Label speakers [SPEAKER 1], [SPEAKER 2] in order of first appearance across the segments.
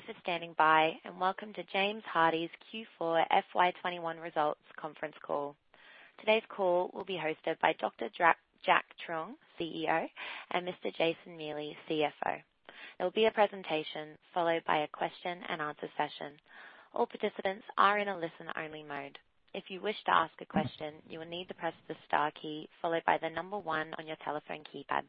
[SPEAKER 1] Thank you for standing by, and welcome to James Hardie's Q4 FY 2021 Results conference call. Today's call will be hosted by Dr. Jack Truong, CEO, and Mr. Jason Neely, CFO. There will be a presentation followed by a question-and-answer session. All participants are in a listen-only mode. If you wish to ask a question, you will need to press the star key followed by the number one on your telephone keypad.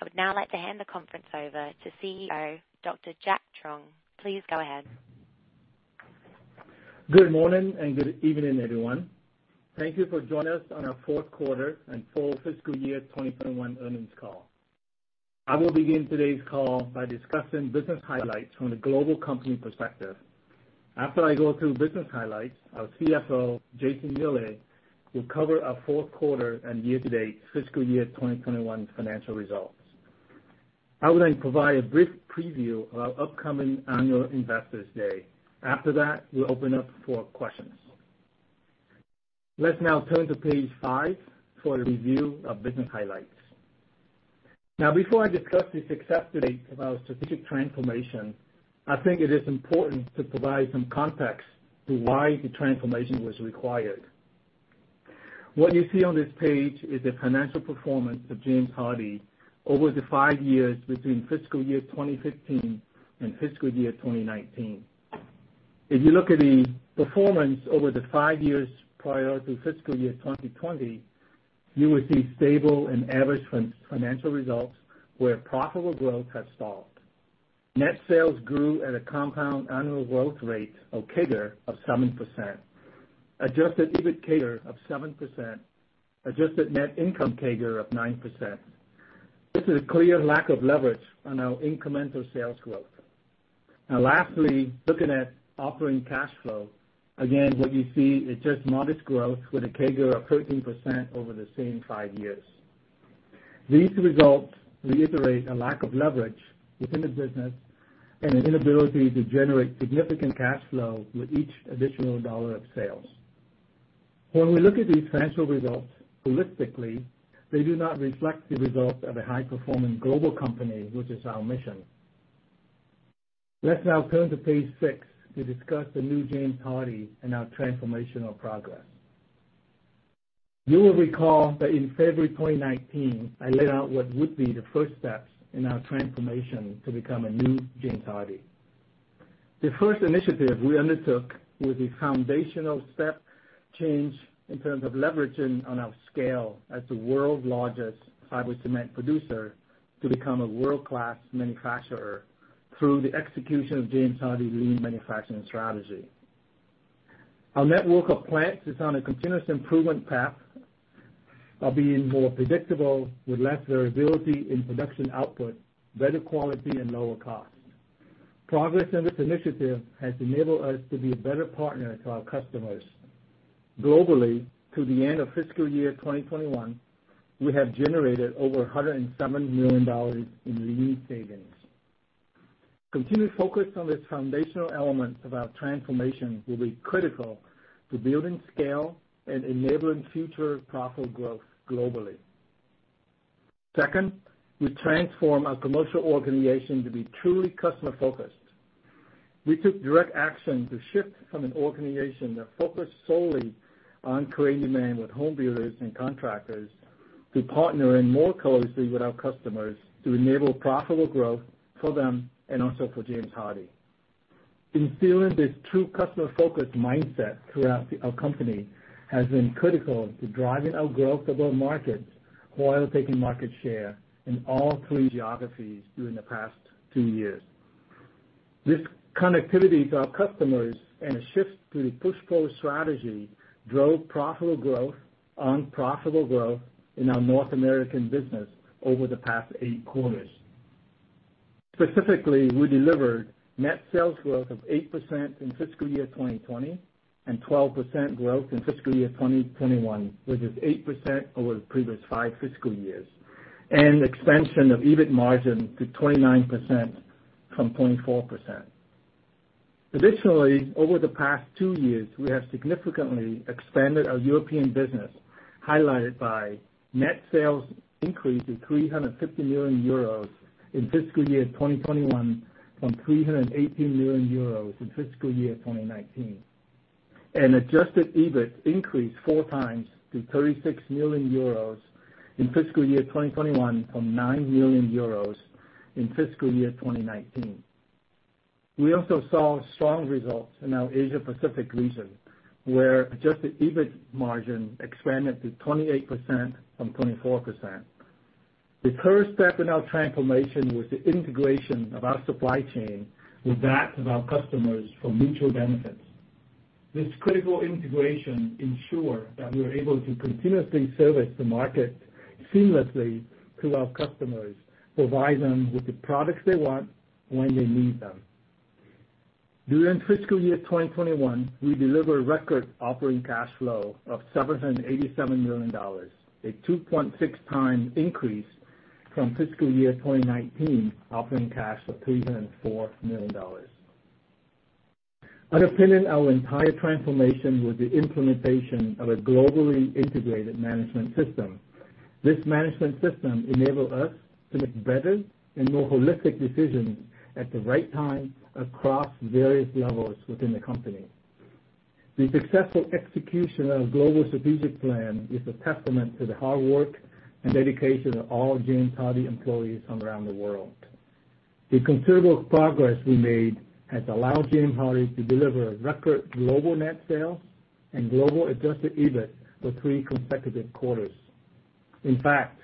[SPEAKER 1] I would now like to hand the conference over to CEO, Dr. Jack Truong. Please go ahead.
[SPEAKER 2] Good morning and good evening, everyone. Thank you for joining us on our fourth quarter and full fiscal year twenty twenty-one earnings call. I will begin today's call by discussing business highlights from the global company perspective. After I go through business highlights, our CFO, Jason Neely, will cover our fourth quarter and year-to-date fiscal year twenty twenty-one financial results. I will then provide a brief preview of our upcoming annual Investors Day. After that, we'll open up for questions. Let's now turn to page five for a review of business highlights. Now, before I discuss the success today of our strategic transformation, I think it is important to provide some context to why the transformation was required. What you see on this page is the financial performance of James Hardie over the five years between fiscal year twenty fifteen and fiscal year twenty nineteen. If you look at the performance over the five years prior to fiscal year 2020, you will see stable and average financial results where profitable growth has stalled. Net sales grew at a compound annual growth rate of CAGR of 7%, adjusted EBIT CAGR of 7%, adjusted net income CAGR of 9%. This is a clear lack of leverage on our incremental sales growth. Now lastly, looking at operating cash flow, again, what you see is just modest growth with a CAGR of 13% over the same five years. These results reiterate a lack of leverage within the business and an inability to generate significant cash flow with each additional dollar of sales. When we look at these financial results holistically, they do not reflect the results of a high-performing global company, which is our mission. Let's now turn to page six to discuss the new James Hardie and our transformational progress. You will recall that in February twenty nineteen, I laid out what would be the first steps in our transformation to become a new James Hardie. The first initiative we undertook was a foundational step change in terms of leveraging on our scale as the world's largest fiber cement producer, to become a world-class manufacturer through the execution of James Hardie's lean manufacturing strategy. Our network of plants is on a continuous improvement path of being more predictable, with less variability in production output, better quality, and lower cost. Progress in this initiative has enabled us to be a better partner to our customers. Globally, through the end of fiscal year twenty twenty-one, we have generated over $107 million in lean savings. Continued focus on this foundational element of our transformation will be critical to building scale and enabling future profitable growth globally. Second, we transform our commercial organization to be truly customer-focused. We took direct action to shift from an organization that focused solely on creating demand with home builders and contractors, to partnering more closely with our customers to enable profitable growth for them and also for James Hardie. Instilling this true customer-focused mindset throughout our company has been critical to driving our growth above market, while taking market share in all three geographies during the past two years. This connectivity to our customers and a shift to the push-pull strategy drove profitable growth on profitable growth in our North American business over the past eight quarters. Specifically, we delivered net sales growth of 8% in fiscal year 2020, and 12% growth in fiscal year 2021, which is 8% over the previous five fiscal years, and expansion of EBIT margin to 29% from 0.4%. Additionally, over the past two years, we have significantly expanded our European business, highlighted by net sales increase of 350 million euros in fiscal year 2021 from 318 million euros in fiscal year 2019, and adjusted EBIT increased four times to 36 million euros in fiscal year 2021 from 9 million euros in fiscal year 2019. We also saw strong results in our Asia Pacific region, where adjusted EBIT margin expanded to 28% from 24%. The third step in our transformation was the integration of our supply chain with that of our customers for mutual benefits. This critical integration ensures that we are able to continuously service the market seamlessly to our customers, provide them with the products they want when they need them. During fiscal year 2021, we delivered record operating cash flow of $787 million, a 2.6 times increase from fiscal year 2019, operating cash of $304 million. Underpinning our entire transformation was the implementation of a Global Management System. This management system enabled us to make better and more holistic decisions at the right time across various levels within the company. The successful execution of our global strategic plan is a testament to the hard work and dedication of all James Hardie employees around the world. The considerable progress we made has allowed James Hardie to deliver a record global net sales and global Adjusted EBIT for three consecutive quarters. In fact,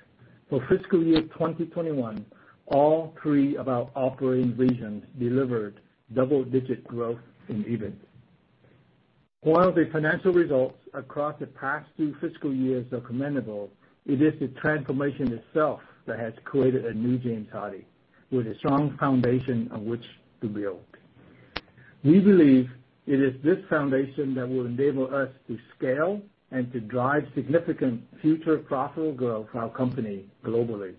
[SPEAKER 2] for fiscal year 2021, all three of our operating regions delivered double-digit growth in EBIT. While the financial results across the past two fiscal years are commendable, it is the transformation itself that has created a new James Hardie, with a strong foundation on which to build. We believe it is this foundation that will enable us to scale and to drive significant future profitable growth for our company globally.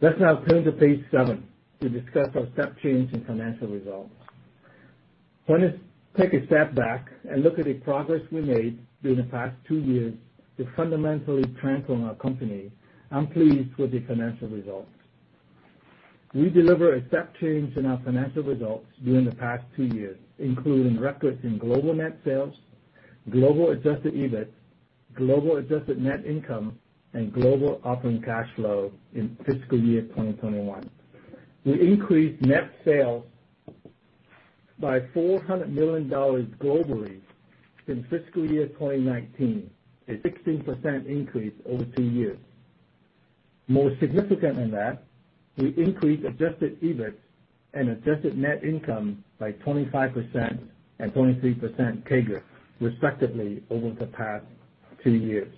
[SPEAKER 2] Let's now turn to page seven to discuss our step change in financial results. When I take a step back and look at the progress we made during the past two years to fundamentally transform our company, I'm pleased with the financial results. We delivered a step change in our financial results during the past two years, including records in global net sales, global adjusted EBIT, global adjusted net income, and global operating cash flow in fiscal year 2021. We increased net sales by $400 million globally in fiscal year 2019, a 16% increase over two years. More significant than that, we increased adjusted EBIT and adjusted net income by 25% and 23% CAGR, respectively, over the past two years.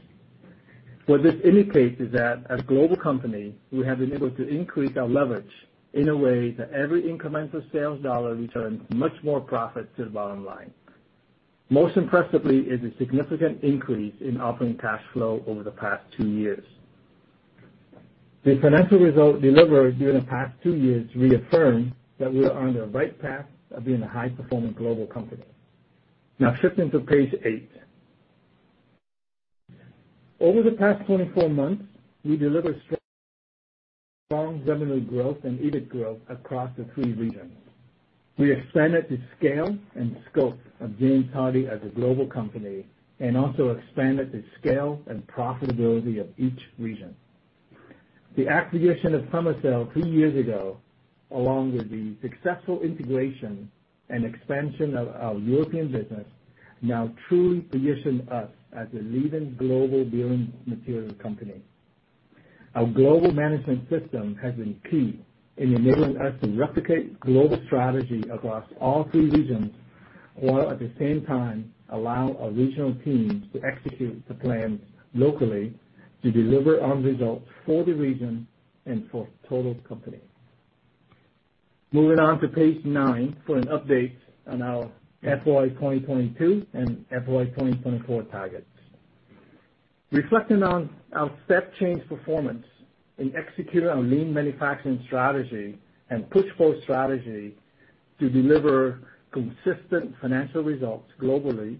[SPEAKER 2] What this indicates is that as a global company, we have been able to increase our leverage in a way that every incremental sales dollar returns much more profit to the bottom line. Most impressively is the significant increase in operating cash flow over the past two years. The financial results delivered during the past two years reaffirm that we are on the right path of being a high-performing global company. Now shifting to page eight. Over the past twenty-four months, we delivered strong, strong revenue growth and EBIT growth across the three regions. We expanded the scale and scope of James Hardie as a global company and also expanded the scale and profitability of each region. The acquisition of Fermacell two years ago, along with the successful integration and expansion of our European business, now truly positions us as a leading global building materials company. Our Global Management System has been key in enabling us to replicate global strategy across all three regions, while at the same time allowing our regional teams to execute the plan locally to deliver on results for the region and for the total company. Moving on to page 9 for an update on our FY 2022 and FY 2024 targets. Reflecting on our step change performance in executing our Lean Manufacturing strategy and push-pull strategy to deliver consistent financial results globally,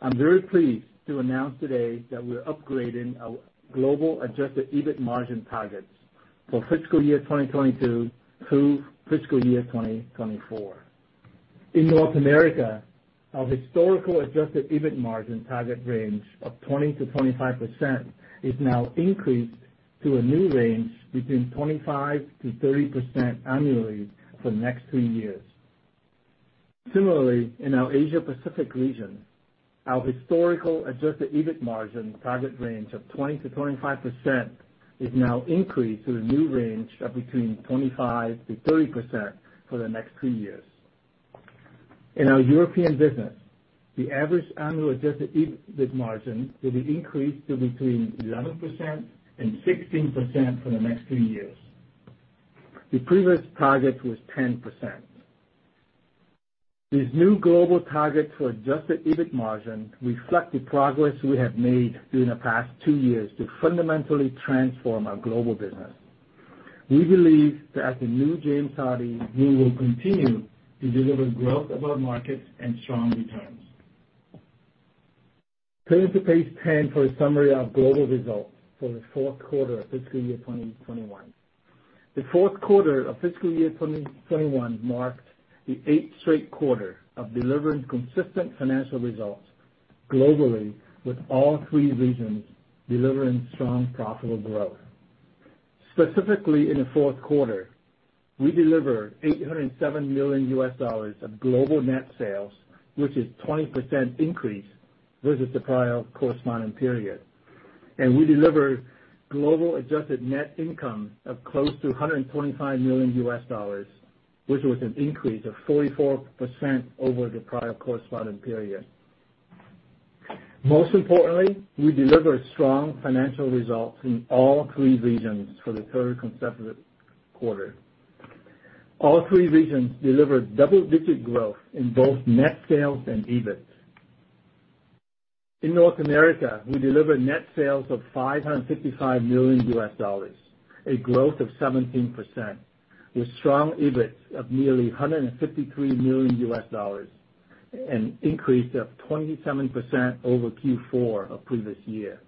[SPEAKER 2] I'm very pleased to announce today that we're upgrading our global adjusted EBIT margin targets for fiscal year 2022 through fiscal year 2024. In North America, our historical adjusted EBIT margin target range of 20%-25% is now increased to a new range between 25%-30% annually for the next three years. Similarly, in our Asia Pacific region, our historical adjusted EBIT margin target range of 20%-25% is now increased to a new range of between 25%-30% for the next three years. In our European business, the average annual adjusted EBIT margin will be increased to between 11% and 16% for the next three years. The previous target was 10%. These new global targets for adjusted EBIT margin reflect the progress we have made during the past two years to fundamentally transform our global business. We believe that as the new James Hardie, we will continue to deliver growth above markets and strong returns. Turning to page 10 for a summary of global results for the fourth quarter of fiscal year 2021. The fourth quarter of fiscal year 2021 marked the eighth straight quarter of delivering consistent financial results globally, with all three regions delivering strong, profitable growth. Specifically, in the fourth quarter, we delivered $807 million of global net sales, which is 20% increase versus the prior corresponding period. And we delivered global adjusted net income of close to $125 million, which was an increase of 44% over the prior corresponding period. Most importantly, we delivered strong financial results in all three regions for the third consecutive quarter. All three regions delivered double-digit growth in both net sales and EBIT. In North America, we delivered net sales of $555 million, a growth of 17%, with strong EBIT of nearly $153 million, an increase of 27% over Q4 of previous year.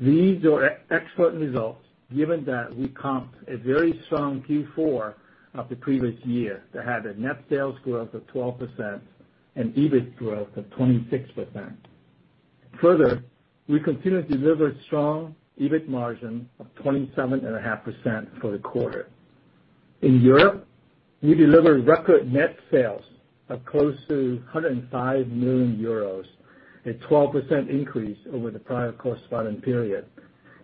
[SPEAKER 2] These are excellent results, given that we comped a very strong Q4 of the previous year that had a net sales growth of 12% and EBIT growth of 26%. Further, we continue to deliver strong EBIT margin of 27.5% for the quarter. In Europe, we delivered record net sales of close to 105 million euros, a 12% increase over the prior corresponding period,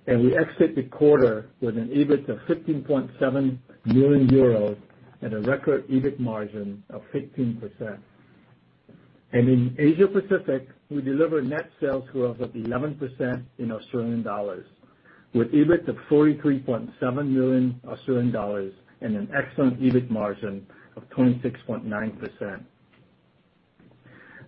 [SPEAKER 2] and we exit the quarter with an EBIT of 15.7 million euros and a record EBIT margin of 15%. In Asia Pacific, we delivered net sales growth of 11% in Australian dollars, with EBIT of 43.7 million Australian dollars and an excellent EBIT margin of 26.9%.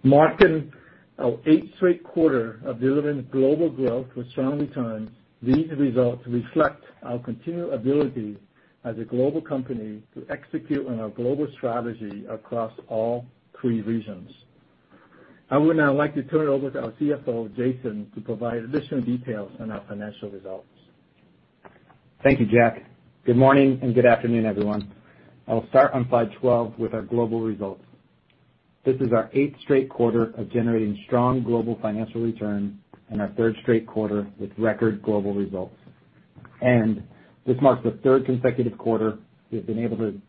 [SPEAKER 2] Marking our eighth straight quarter of delivering global growth with strong returns, these results reflect our continued ability as a global company to execute on our global strategy across all three regions. I would now like to turn it over to our CFO, Jason, to provide additional details on our financial results.
[SPEAKER 3] Thank you, Jack. Good morning, and good afternoon, everyone. I'll start on slide twelve with our global results. This is our eighth straight quarter of generating strong global financial returns and our third straight quarter with record global results and this marks the third consecutive quarter we've been able to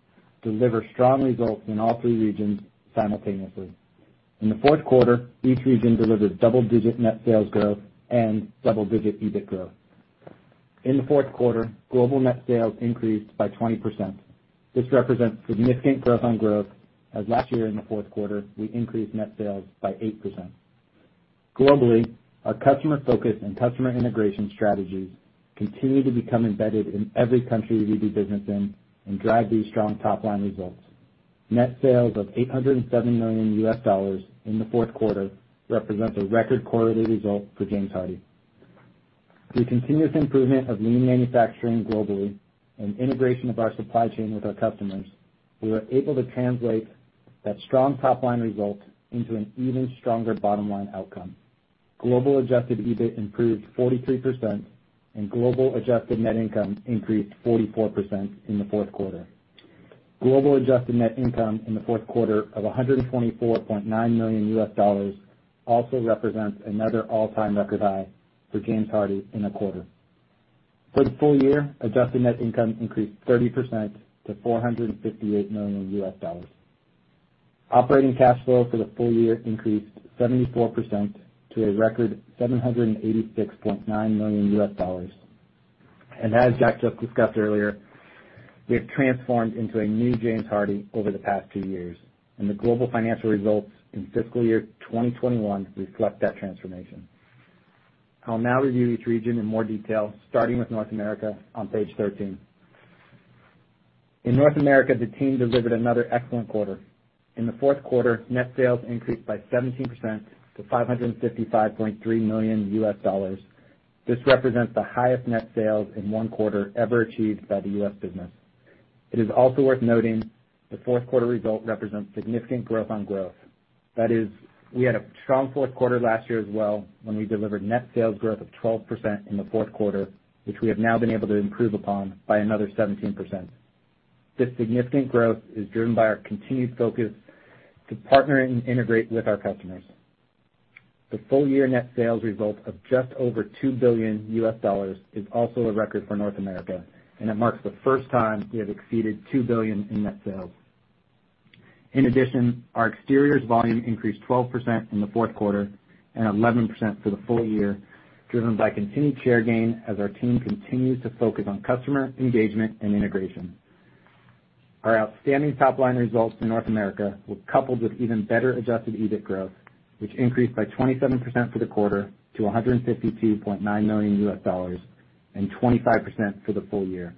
[SPEAKER 3] deliver strong results in all three regions simultaneously. In the fourth quarter, each region delivered double-digit net sales growth and double-digit EBIT growth. In the fourth quarter, global net sales increased by 20%. This represents significant growth on growth, as last year in the fourth quarter, we increased net sales by 8%. Globally, our customer focus and customer integration strategies continue to become embedded in every country we do business in and drive these strong top-line results. Net sales of $807 million in the fourth quarter represent a record quarterly result for James Hardie. Through continuous improvement of lean manufacturing globally and integration of our supply chain with our customers, we were able to translate that strong top-line result into an even stronger bottom-line outcome. Global Adjusted EBIT improved 43%, and global Adjusted Net Income increased 44% in the fourth quarter. Global Adjusted Net Income in the fourth quarter of $124.9 million also represents another all-time record high for James Hardie in a quarter. For the full year, Adjusted Net Income increased 30% to $458 million. Operating cash flow for the full year increased 74% to a record $786.9 million. As Jack just discussed earlier, we have transformed into a new James Hardie over the past two years, and the global financial results in fiscal year twenty-twenty-one reflect that transformation. I'll now review each region in more detail, starting with North America on page 13. In North America, the team delivered another excellent quarter. In the fourth quarter, net sales increased by 17% to $555.3 million. This represents the highest net sales in one quarter ever achieved by the U.S. business. It is also worth noting the fourth quarter result represents significant growth on growth. That is, we had a strong fourth quarter last year as well, when we delivered net sales growth of 12% in the fourth quarter, which we have now been able to improve upon by another 17%. This significant growth is driven by our continued focus to partner and integrate with our customers. The full year net sales result of just over $2 billion is also a record for North America, and it marks the first time we have exceeded $2 billion in net sales. In addition, our exteriors volume increased 12% in the fourth quarter and 11% for the full year, driven by continued share gain as our team continues to focus on customer engagement and integration. Our outstanding top-line results in North America were coupled with even better adjusted EBIT growth, which increased by 27% for the quarter to $152.9 million and 25% for the full year.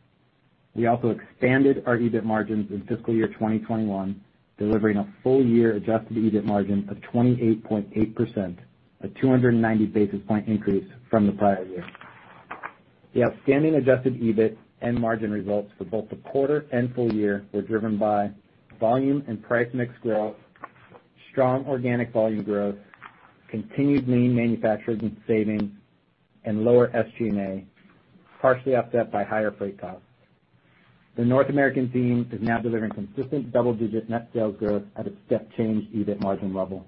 [SPEAKER 3] We also expanded our EBIT margins in fiscal year 2021, delivering a full year adjusted EBIT margin of 28.8%, a 290 basis point increase from the prior year. The outstanding adjusted EBIT and margin results for both the quarter and full year were driven by volume and price mix growth, strong organic volume growth, continued Lean Manufacturing savings, and lower SG&A, partially offset by higher freight costs. The North American team is now delivering consistent double-digit net sales growth at a step change EBIT margin level.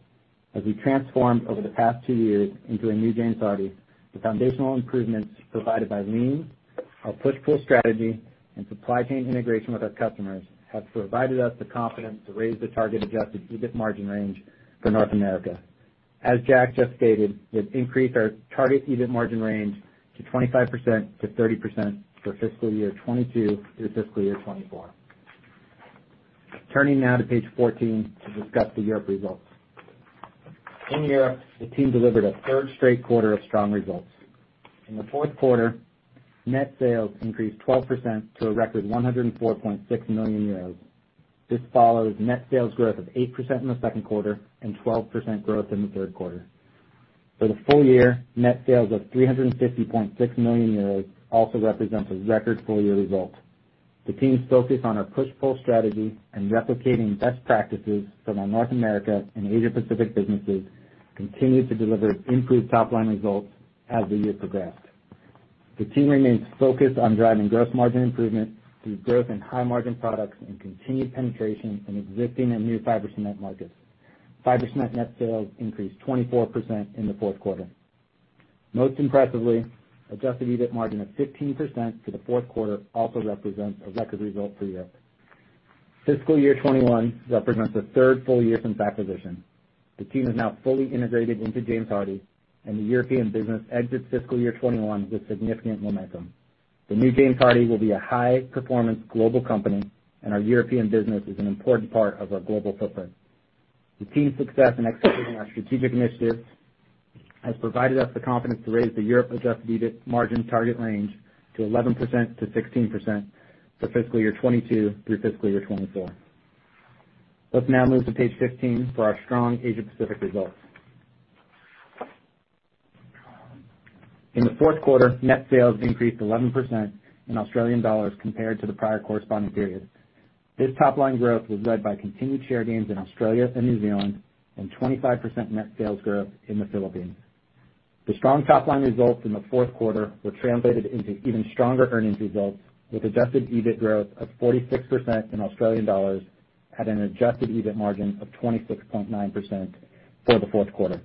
[SPEAKER 3] As we transformed over the past two years into a new James Hardie, the foundational improvements provided by Lean, our push-pull strategy, and supply chain integration with our customers have provided us the confidence to raise the target adjusted EBIT margin range for North America. As Jack just stated, we've increased our target EBIT margin range to 25%-30% for fiscal year 2022 through fiscal year 2024. Turning now to page 14 to discuss the Europe results. In Europe, the team delivered a third straight quarter of strong results. In the fourth quarter, net sales increased 12% to a record 104.6 million euros. This follows net sales growth of 8% in the second quarter and 12% growth in the third quarter. For the full year, net sales of 350.6 million euros also represents a record full year result. The team's focus on our push-pull strategy and replicating best practices from our North America and Asia Pacific businesses, continued to deliver improved top line results as the year progressed. The team remains focused on driving gross margin improvement through growth in high margin products and continued penetration in existing and new fiber cement markets. Fiber cement net sales increased 24% in the fourth quarter. Most impressively, adjusted EBIT margin of 15% for the fourth quarter also represents a record result for Europe. Fiscal year 2021 represents the third full year since acquisition. The team is now fully integrated into James Hardie, and the European business exits fiscal year 2021 with significant momentum. The new James Hardie will be a high performance global company, and our European business is an important part of our global footprint. The team's success in executing our strategic initiatives has provided us the confidence to raise the Europe adjusted EBIT margin target range to 11%-16% for fiscal year 2022 through fiscal year 2024. Let's now move to page 15 for our strong Asia Pacific results. In the fourth quarter, net sales increased 11% in AUD compared to the prior corresponding period. This top line growth was led by continued share gains in Australia and New Zealand, and 25% net sales growth in the Philippines. The strong top line results in the fourth quarter were translated into even stronger earnings results, with adjusted EBIT growth of 46% in AUD at an adjusted EBIT margin of 26.9% for the fourth quarter.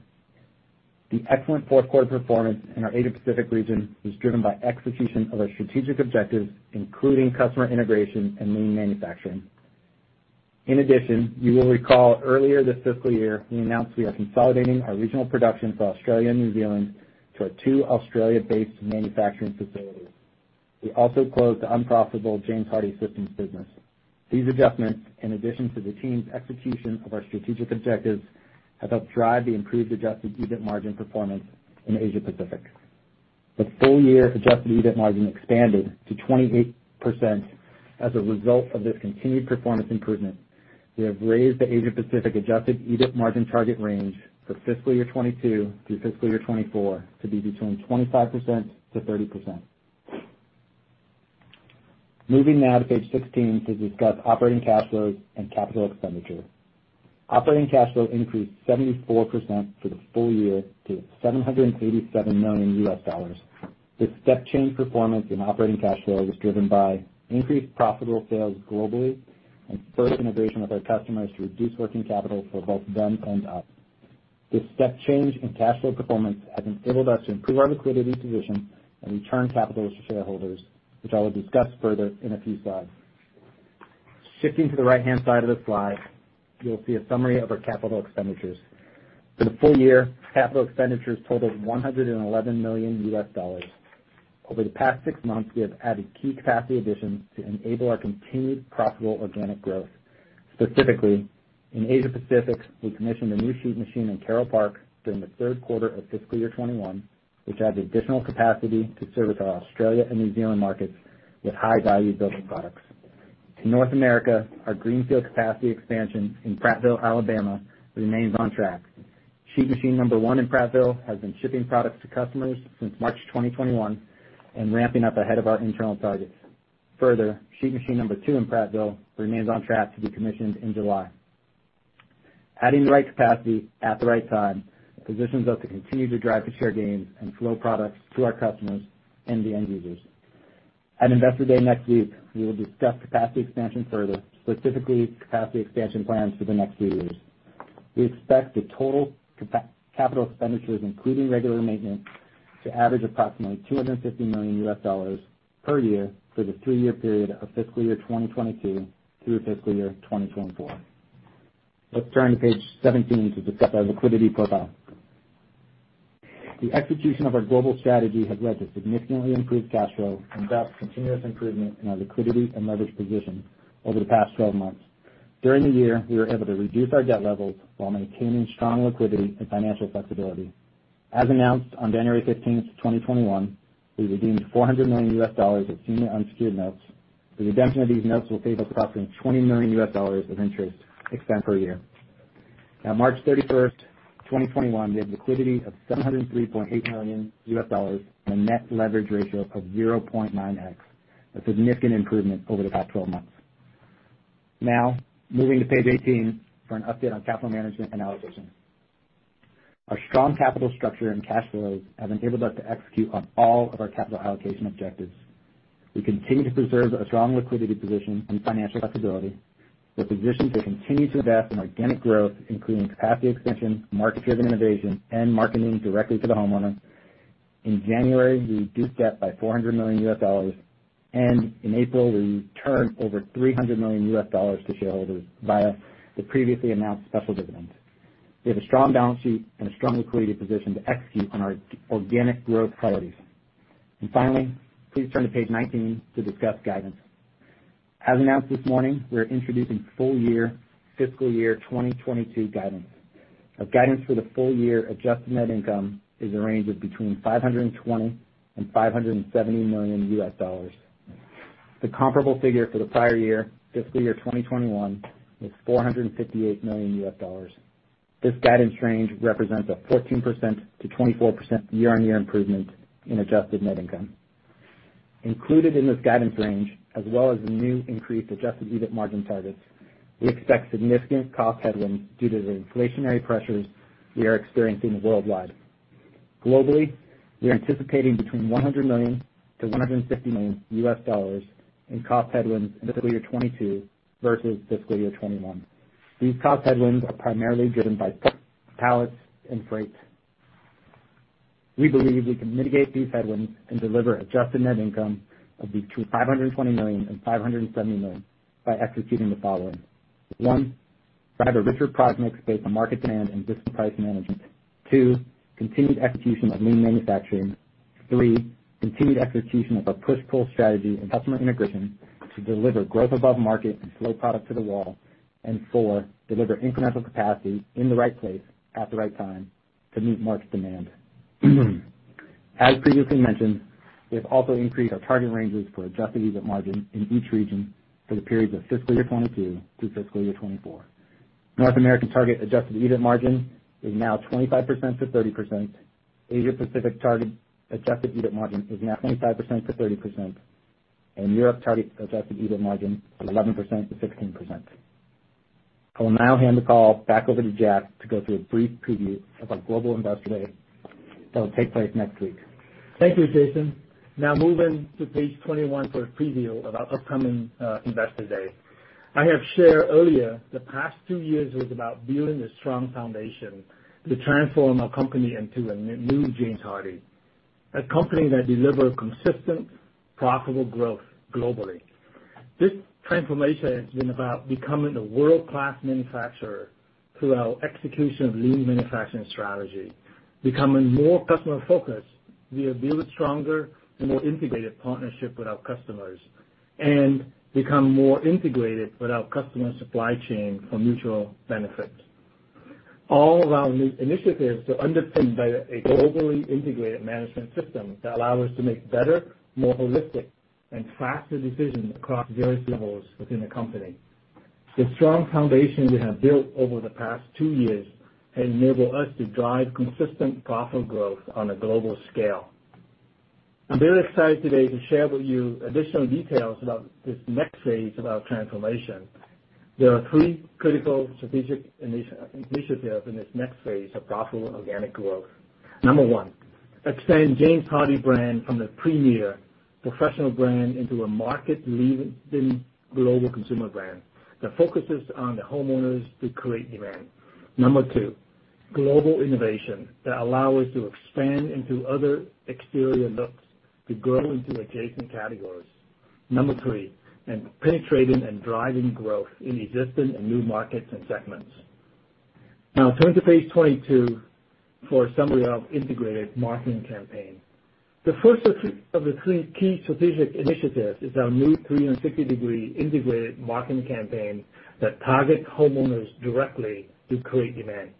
[SPEAKER 3] The excellent fourth quarter performance in our Asia Pacific region was driven by execution of our strategic objectives, including customer integration and lean manufacturing. In addition, you will recall earlier this fiscal year, we announced we are consolidating our regional production for Australia and New Zealand to our two Australia-based manufacturing facilities. We also closed the unprofitable James Hardie Systems business. These adjustments, in addition to the team's execution of our strategic objectives, have helped drive the improved adjusted EBIT margin performance in Asia Pacific. The full year adjusted EBIT margin expanded to 28% as a result of this continued performance improvement. We have raised the Asia Pacific adjusted EBIT margin target range for fiscal year 2022 through fiscal year 2024, to be between 25% to 30%. Moving now to page 16 to discuss operating cash flows and capital expenditure. Operating cash flow increased 74% for the full year to $787 million. This step change performance in operating cash flow was driven by increased profitable sales globally and further integration with our customers to reduce working capital for both them and us. This step change in cash flow performance has enabled us to improve our liquidity position and return capital to shareholders, which I will discuss further in a few slides. Shifting to the right-hand side of the slide, you will see a summary of our capital expenditures. For the full year, capital expenditures totaled $111 million. Over the past six months, we have added key capacity additions to enable our continued profitable organic growth. Specifically, in Asia Pacific, we commissioned a new sheet machine in Carroll Park during the third quarter of fiscal year 2021, which adds additional capacity to service our Australia and New Zealand markets with high-value building products. In North America, our greenfield capacity expansion in Prattville, Alabama, remains on track. Sheet machine number one in Prattville has been shipping products to customers since March 2021 and ramping up ahead of our internal targets. Further, sheet machine number two in Prattville remains on track to be commissioned in July. Adding the right capacity at the right time positions us to continue to drive the share gains and flow products to our customers and the end users. At Investor Day next week, we will discuss capacity expansion further, specifically capacity expansion plans for the next few years. We expect the total capital expenditures, including regular maintenance, to average approximately $250 million per year for the three-year period of fiscal year 2022 through fiscal year 2024. Let's turn to page 17 to discuss our liquidity profile. The execution of our global strategy has led to significantly improved cash flow and thus, continuous improvement in our liquidity and leverage position over the past twelve months. During the year, we were able to reduce our debt levels while maintaining strong liquidity and financial flexibility. As announced on January 15th, 2021, we redeemed $400 million of senior unsecured notes. The redemption of these notes will save approximately $20 million of interest expense per year. At March 31st, 2021, we had liquidity of $703.8 million and a net leverage ratio of 0.9x, a significant improvement over the past twelve months. Now, moving to page 18 for an update on capital management and allocation. Our strong capital structure and cash flows have enabled us to execute on all of our capital allocation objectives. We continue to preserve a strong liquidity position and financial flexibility. We're positioned to continue to invest in organic growth, including capacity expansion, market-driven innovation, and marketing directly to the homeowner. In January, we reduced debt by $400 million, and in April, we returned over $300 million to shareholders via the previously announced special dividend. We have a strong balance sheet and a strong credit position to execute on our organic growth priorities. And finally, please turn to page 19 to discuss guidance. As announced this morning, we are introducing full year fiscal year 2022 guidance. Our guidance for the full year adjusted net income is a range of between $520 million and $570 million. The comparable figure for the prior year, fiscal year 2021, was $458 million. This guidance range represents a 14% to 24% year-on-year improvement in Adjusted Net Income. Included in this guidance range, as well as the new increased Adjusted EBIT margin targets, we expect significant cost headwinds due to the inflationary pressures we are experiencing worldwide. Globally, we are anticipating between $100 million to $150 million in cost headwinds in fiscal year 2022 versus fiscal year 2021. These cost headwinds are primarily driven by pallets and freight. We believe we can mitigate these headwinds and deliver Adjusted Net Income of between $520 million and $570 million by executing the following. One, drive a richer product mix based on market demand and disciplined price management. Two, continued execution of Lean Manufacturing. Three, continued execution of our push-pull strategy and customer integration to deliver growth above market and flow product to the wall. And four, deliver incremental capacity in the right place at the right time to meet market demand. As previously mentioned, we have also increased our target ranges for adjusted EBIT margin in each region for the periods of fiscal year 2022 through fiscal year 2024. North American target adjusted EBIT margin is now 25%-30%. Asia Pacific target adjusted EBIT margin is now 25%-30%, and Europe target adjusted EBIT margin is 11%-16%. I will now hand the call back over to Jack to go through a brief preview of our Global Investor Day that will take place next week.
[SPEAKER 2] Thank you, Jason. Now moving to page twenty-one for a preview of our upcoming Investor Day. I have shared earlier, the past two years was about building a strong foundation to transform our company into a new James Hardie, a company that delivers consistent, profitable growth globally. This transformation has been about becoming a world-class manufacturer through our execution of lean manufacturing strategy, becoming more customer-focused via building stronger and more integrated partnership with our customers, and become more integrated with our customer supply chain for mutual benefit. All of our new initiatives are underpinned by a globally integrated management system that allow us to make better, more holistic and faster decisions across various levels within the company. The strong foundation we have built over the past two years enable us to drive consistent profitable growth on a global scale. I'm very excited today to share with you additional details about this next phase of our transformation. There are three critical strategic initiatives in this next phase of profitable organic growth. Number one, extend James Hardie brand from the premier professional brand into a market-leading global consumer brand that focuses on the homeowners to create demand. Number two, global innovation that allow us to expand into other exterior looks to grow into adjacent categories. Number three, and penetrating and driving growth in existing and new markets and segments. Now turn to page 22 for a summary of integrated marketing campaign. The first of three, of the three key strategic initiatives is our new 360-degree integrated marketing campaign that targets homeowners directly to create demand.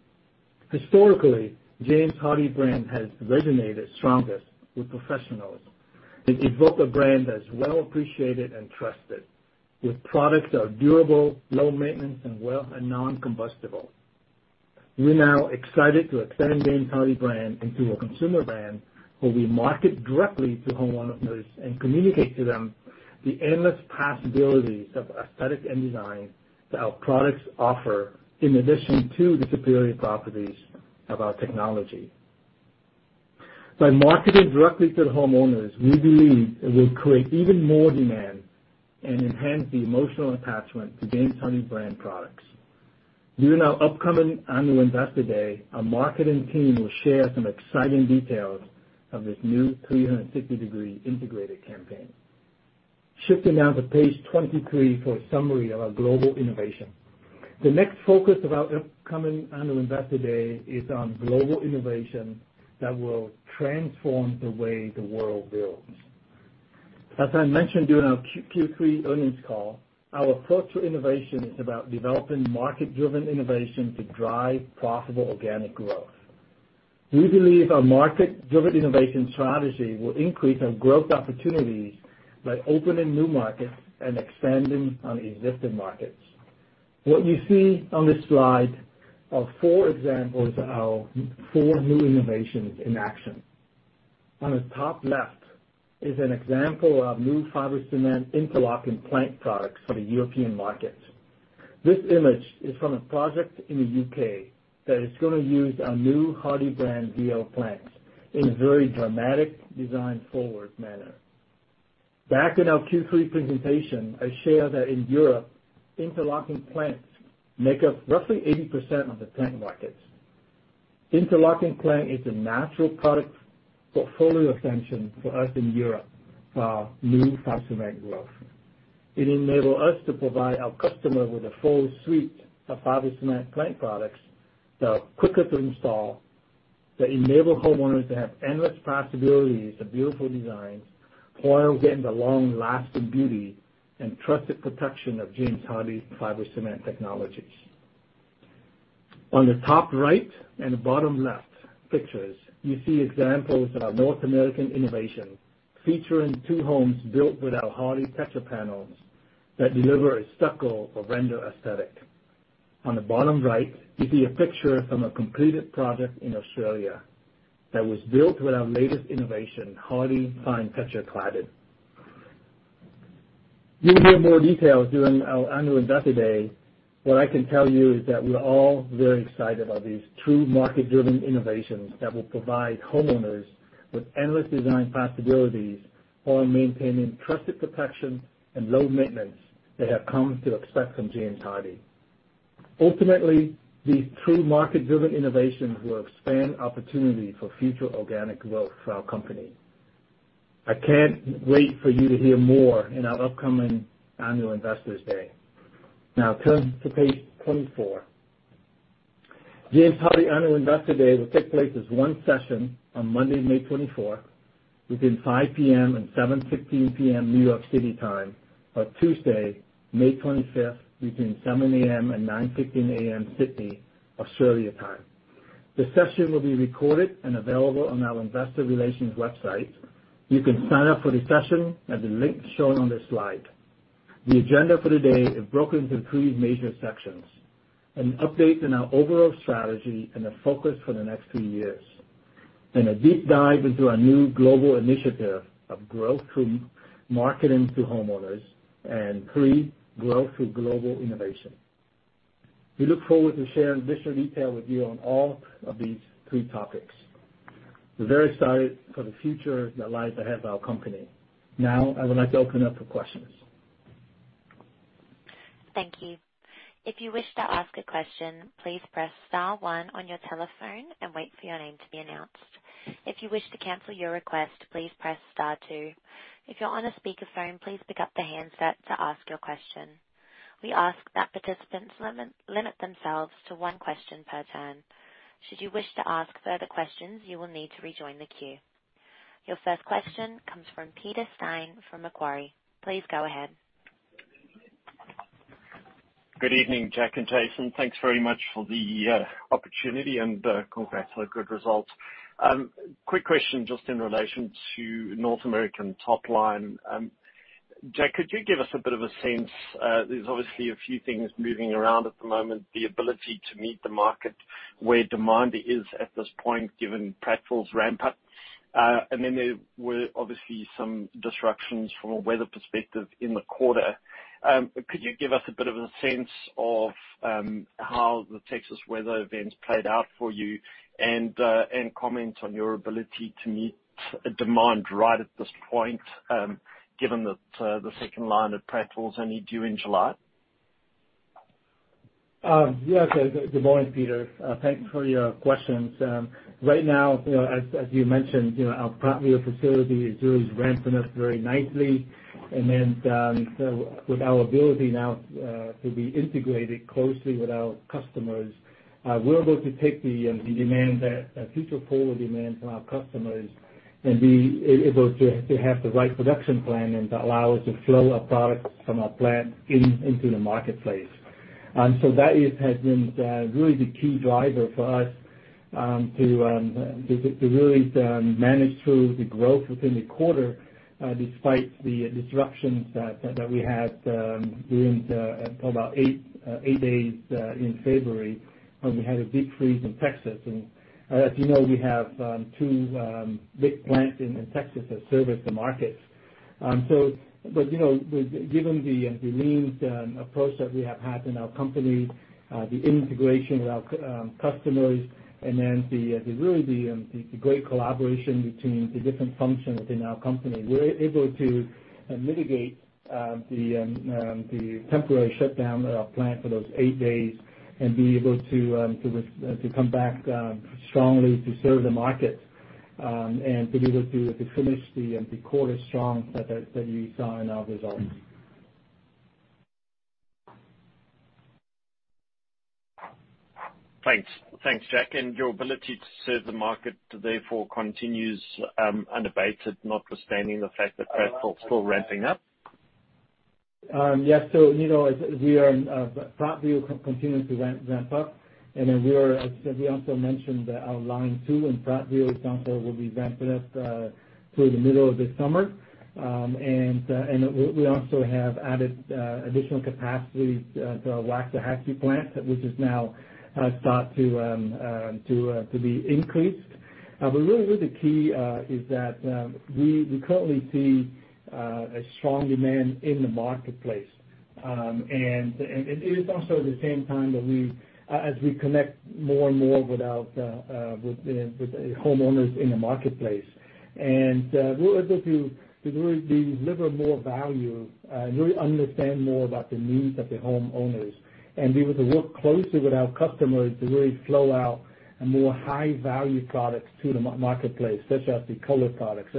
[SPEAKER 2] Historically, James Hardie brand has resonated strongest with professionals. It evokes a brand that's well appreciated and trusted, with products that are durable, low maintenance, and non-combustible. We're now excited to extend James Hardie brand into a consumer brand, where we market directly to homeowners and communicate to them the endless possibilities of aesthetic and design that our products offer, in addition to the superior properties of our technology. By marketing directly to the homeowners, we believe it will create even more demand and enhance the emotional attachment to James Hardie brand products. During our upcoming Annual Investor Day, our marketing team will share some exciting details of this new 360-degree integrated campaign. Shifting now to page 23 for a summary of our global innovation. The next focus of our upcoming Annual Investor Day is on global innovation that will transform the way the world builds. As I mentioned during our Q3 earnings call, our approach to innovation is about developing market-driven innovation to drive profitable organic growth. We believe our market-driven innovation strategy will increase our growth opportunities by opening new markets and expanding on existing markets. What you see on this slide are four examples of our four new innovations in action. On the top left is an example of our new fiber cement interlocking plank products for the European market. This image is from a project in the U.K. that is going to use our new Hardie brand VL planks in a very dramatic, design-forward manner. Back in our Q3 presentation, I shared that in Europe, interlocking planks make up roughly 80% of the plank market. Interlocking plank is a natural product portfolio expansion for us in Europe for our new fiber cement growth. It enables us to provide our customer with a full suite of fiber cement plank products that are quicker to install that enable homeowners to have endless possibilities of beautiful designs, while getting the long-lasting beauty and trusted protection of James Hardie's fiber cement technologies. On the top right and the bottom left pictures, you see examples of our North American innovation, featuring two homes built with our Hardie Texture Panels that deliver a stucco or render aesthetic. On the bottom right, you see a picture from a completed project in Australia that was built with our latest innovation, Hardie Fine Texture Cladding. You will hear more details during our Annual Investor Day. What I can tell you is that we're all very excited about these true market-driven innovations that will provide homeowners with endless design possibilities, while maintaining trusted protection and low maintenance they have come to expect from James Hardie. Ultimately, these true market-driven innovations will expand opportunity for future organic growth for our company. I can't wait for you to hear more in our upcoming Annual Investors Day. Now, turn to page 24. James Hardie Annual Investor Day will take place as one session on Monday, May twenty-fourth, between 5:00 P.M. and 7:15 P.M. New York City time, or Tuesday, May twenty-fifth, between 7:00 A.M. and 9:15 A.M. Sydney, Australia time. The session will be recorded and available on our investor relations website. You can sign up for the session at the link shown on this slide. The agenda for the day is broken into three major sections: an update on our overall strategy and the focus for the next two years, a deep dive into our new global initiative of growth through marketing to homeowners, and three, growth through global innovation. We look forward to sharing additional detail with you on all of these three topics. We're very excited for the future that lies ahead of our company. Now, I would like to open up for questions.
[SPEAKER 1] Thank you. If you wish to ask a question, please press star one on your telephone and wait for your name to be announced. If you wish to cancel your request, please press star two. If you're on a speakerphone, please pick up the handset to ask your question. We ask that participants limit themselves to one question per turn. Should you wish to ask further questions, you will need to rejoin the queue. Your first question comes from Peter Steyn from Macquarie. Please go ahead. Good evening, Jack and Jason. Thanks very much for the opportunity, and congrats on the good results. Quick question just in relation to North American top line. Jack, could you give us a bit of a sense, there's obviously a few things moving around at the moment, the ability to meet the market where demand is at this point, given Prattville's ramp-up. And then there were obviously some disruptions from a weather perspective in the quarter. Could you give us a bit of a sense of how the Texas weather events played out for you? And comment on your ability to meet demand right at this point, given that the second line at Prattville is only due in July?
[SPEAKER 2] Yes. Good morning, Peter. Thank you for your questions. Right now, you know, as you mentioned, you know, our Prattville facility is really ramping up very nicely. And then, so with our ability now to be integrated closely with our customers, we're able to take the demand that future forward demand from our customers and be able to have the right production plan and to allow us to flow our products from our plant into the marketplace. And so that is has been really the key driver for us to really manage through the growth within the quarter despite the disruptions that we had during about eight days in February, when we had a deep freeze in Texas. As you know, we have two big plants in Texas that service the market. But you know, given the lean approach that we have had in our company, the integration with our customers, and then the really great collaboration between the different functions within our company, we're able to mitigate the temporary shutdown of our plant for those eight days and be able to come back strongly to serve the market, and to be able to finish the quarter strong that you saw in our results. Thanks. Thanks, Jack. And your ability to serve the market therefore continues unabated, notwithstanding the fact that Prattville is still ramping up?
[SPEAKER 4] Yes, so you know, as we are, Prattville continues to ramp up, and then we are, as we also mentioned, that our line two in Prattville, for example, will be ramping up through the middle of this summer. And we also have added additional capacity to our Waxahachie plant, which is now start to be increased. But really the key is that we currently see a strong demand in the marketplace. And it is also at the same time that we as we connect more and more with our with the homeowners in the marketplace. We're able to really deliver more value and really understand more about the needs of the homeowners, and be able to work closely with our customers to really roll out more high-value products to the marketplace, such as the color products,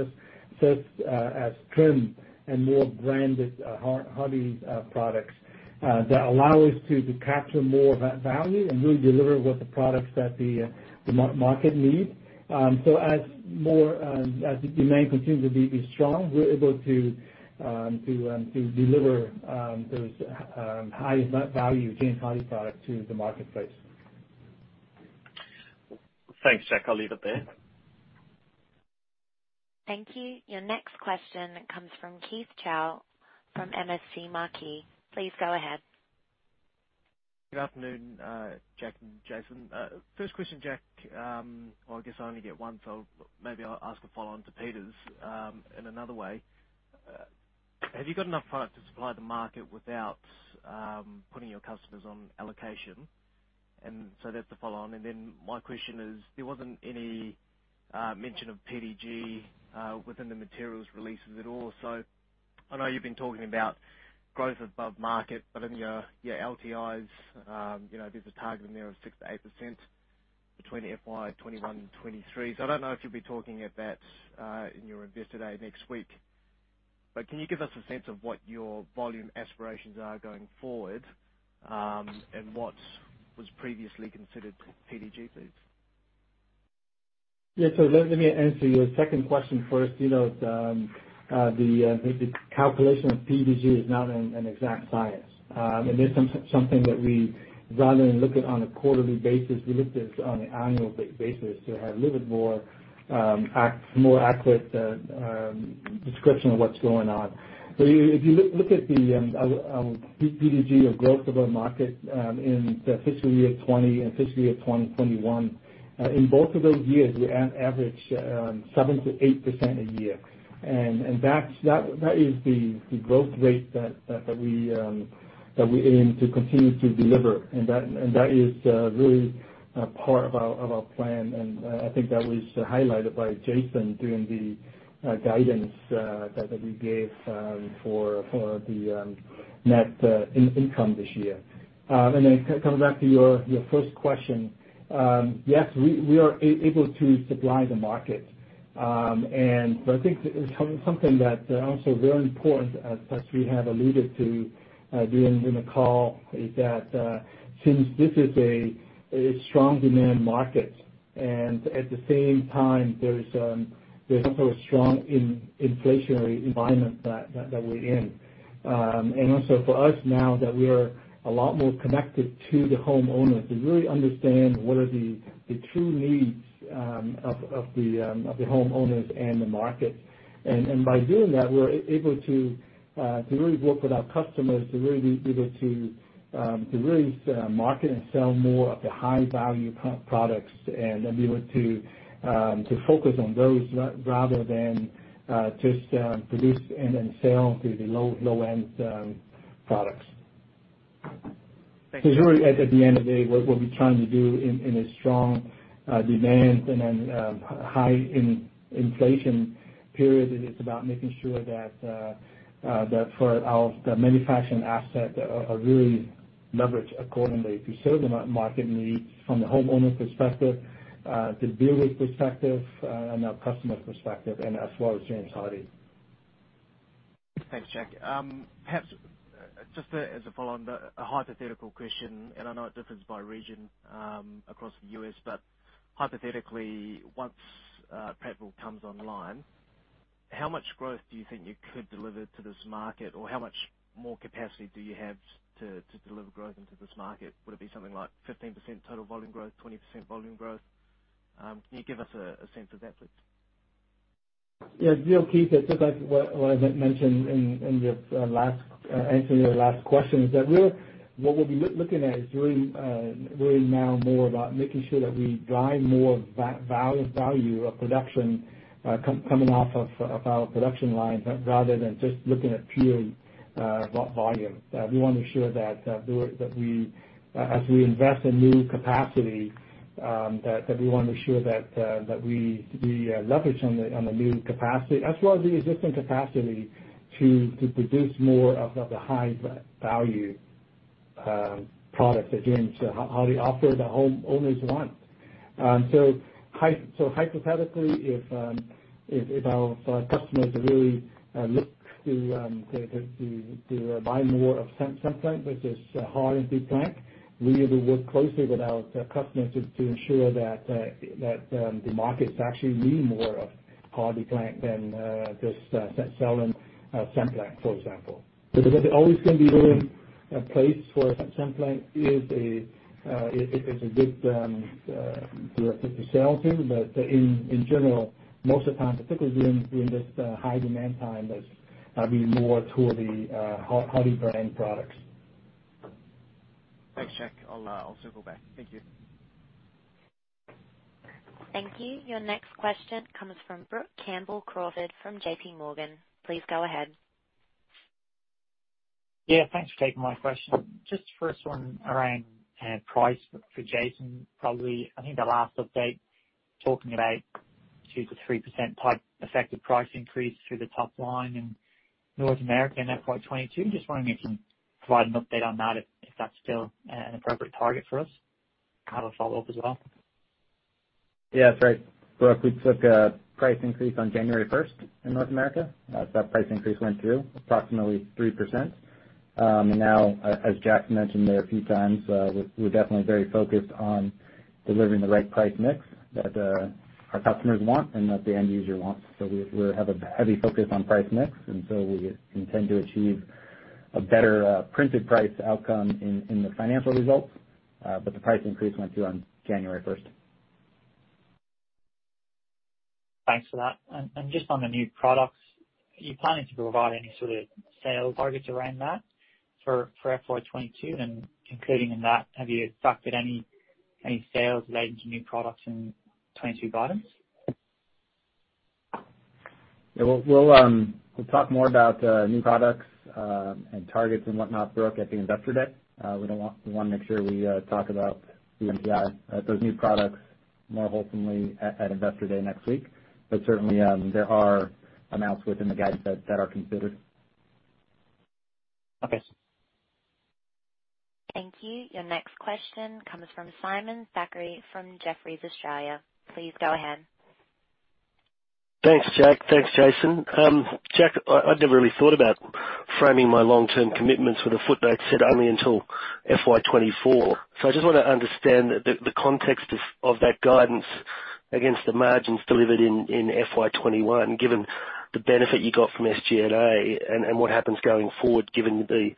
[SPEAKER 4] such as trim and more branded Hardie products that allow us to capture more of that value and really deliver the products that the market need. So as the demand continues to be strong, we're able to deliver those high value James Hardie products to the marketplace.... Thanks, Jack. I'll leave it there.
[SPEAKER 1] Thank you. Your next question comes from Keith Chau from MST Marquee. Please go ahead.
[SPEAKER 5] Good afternoon, Jack and Jason. First question, Jack. Well, I guess I only get one, so maybe I'll ask a follow-on to Peter's, in another way. Have you got enough product to supply the market without putting your customers on allocation? And so that's the follow on. And then my question is, there wasn't any mention of PDG within the materials releases at all. So I know you've been talking about growth above market, but in your, your LTIs, you know, there's a target in there of 6%-8% between FY 2021 and 2023. So I don't know if you'll be talking at that, in your Investor Day next week, but can you give us a sense of what your volume aspirations are going forward, and what was previously considered PDG please?
[SPEAKER 2] Yeah. So let me answer your second question first. You know, the calculation of PDG is not an exact science. And it's something that we'd rather than look at on a quarterly basis. We look at on an annual basis to have a little bit more accurate description of what's going on. But if you look at the PDG or growth of our market in the fiscal year 2020 and fiscal year 2021, in both of those years, we average 7%-8% a year. And that's the growth rate that we aim to continue to deliver. And that is really part of our plan. I think that was highlighted by Jason during the guidance that we gave for the net income this year, and then coming back to your first question, yes, we are able to supply the market. But I think something that's also very important, as we have alluded to during the call, is that since this is a strong demand market, and at the same time, there's also a strong inflationary environment that we're in, and also for us now that we are a lot more connected to the homeowners to really understand what are the true needs of the homeowners and the market. By doing that, we're able to really work with our customers to really be able to really market and sell more of the high value products and be able to focus on those rather than just produce and then sell the low-end products.
[SPEAKER 5] Thank you.
[SPEAKER 2] So really, at the end of the day, what we're trying to do in a strong demand and high inflation period is about making sure that our manufacturing assets are really leveraged accordingly to serve the market needs from the homeowner perspective, the builder perspective, and our customer perspective, as well as James Hardie.
[SPEAKER 5] Thanks, Jack. Perhaps just as a follow-on, but a hypothetical question, and I know it differs by region, across the U.S., but hypothetically, once Prattville comes online, how much growth do you think you could deliver to this market? Or how much more capacity do you have to deliver growth into this market? Would it be something like 15% total volume growth, 20% volume growth? Can you give us a sense of that, please?
[SPEAKER 2] Yeah, sure, Keith. I think that's what I mentioned in answering your last question, is that we're what we'll be looking at is really now more about making sure that we drive more value of production coming off of our production line, rather than just looking at purely volume. We want to ensure that as we invest in new capacity, that we want to ensure that we leverage on the new capacity as well as the existing capacity to produce more of the high value products that James Hardie offer the homeowners want. So hypothetically, if our customers really look to buy more of Cemplank, which is HardiePlank, we need to work closely with our customers to ensure that the markets actually need more of HardiePlank than just selling Cemplank, for example. Because there's always going to be really a place where Cemplank is a good to sell to. But in general, most of the time, particularly during this high demand time, that's being more toward the Hardie Brand products.
[SPEAKER 5] Thanks, Jack. I'll circle back. Thank you.
[SPEAKER 1] Thank you. Your next question comes from Brook Campbell-Crawford, from JP Morgan. Please go ahead.
[SPEAKER 6] Yeah, thanks for taking my question. Just first one around price for Jason, probably. I think the last update, talking about 2%-3% type effective price increase through the top line in North America in FY 2022. Just want to make sure you provide an update on that, if that's still an appropriate target for us. I have a follow-up as well.
[SPEAKER 3] Yeah. Sorry. Brooke, we took a price increase on January first in North America. That price increase went through approximately 3%. Now, as Jack mentioned there a few times, we're definitely very focused on delivering the right price mix that our customers want and that the end user wants. So we have a heavy focus on price mix, and so we intend to achieve a better printed price outcome in the financial results, but the price increase went through on January first.
[SPEAKER 6] Thanks for that. And just on the new products, are you planning to provide any sort of sales targets around that for FY 2022? Including in that, have you factored any sales related to new products in 2022 guidance?
[SPEAKER 3] Yeah, we'll talk more about new products and targets and whatnot, Brooke, at the Investor Day. We don't want - we wanna make sure we talk about the NPI, those new products more wholesomely at Investor Day next week. But certainly, there are amounts within the guidance that are considered.
[SPEAKER 6] Okay.
[SPEAKER 1] Thank you. Your next question comes from Simon Thackray from Jefferies Australia. Please go ahead.
[SPEAKER 7] Thanks, Jack. Thanks, Jason. Jack, I never really thought about framing my long-term commitments with a footnote set only until FY 2024. So I just wanna understand the context of that guidance against the margins delivered in FY 2021, given the benefit you got from SG&A and what happens going forward, given the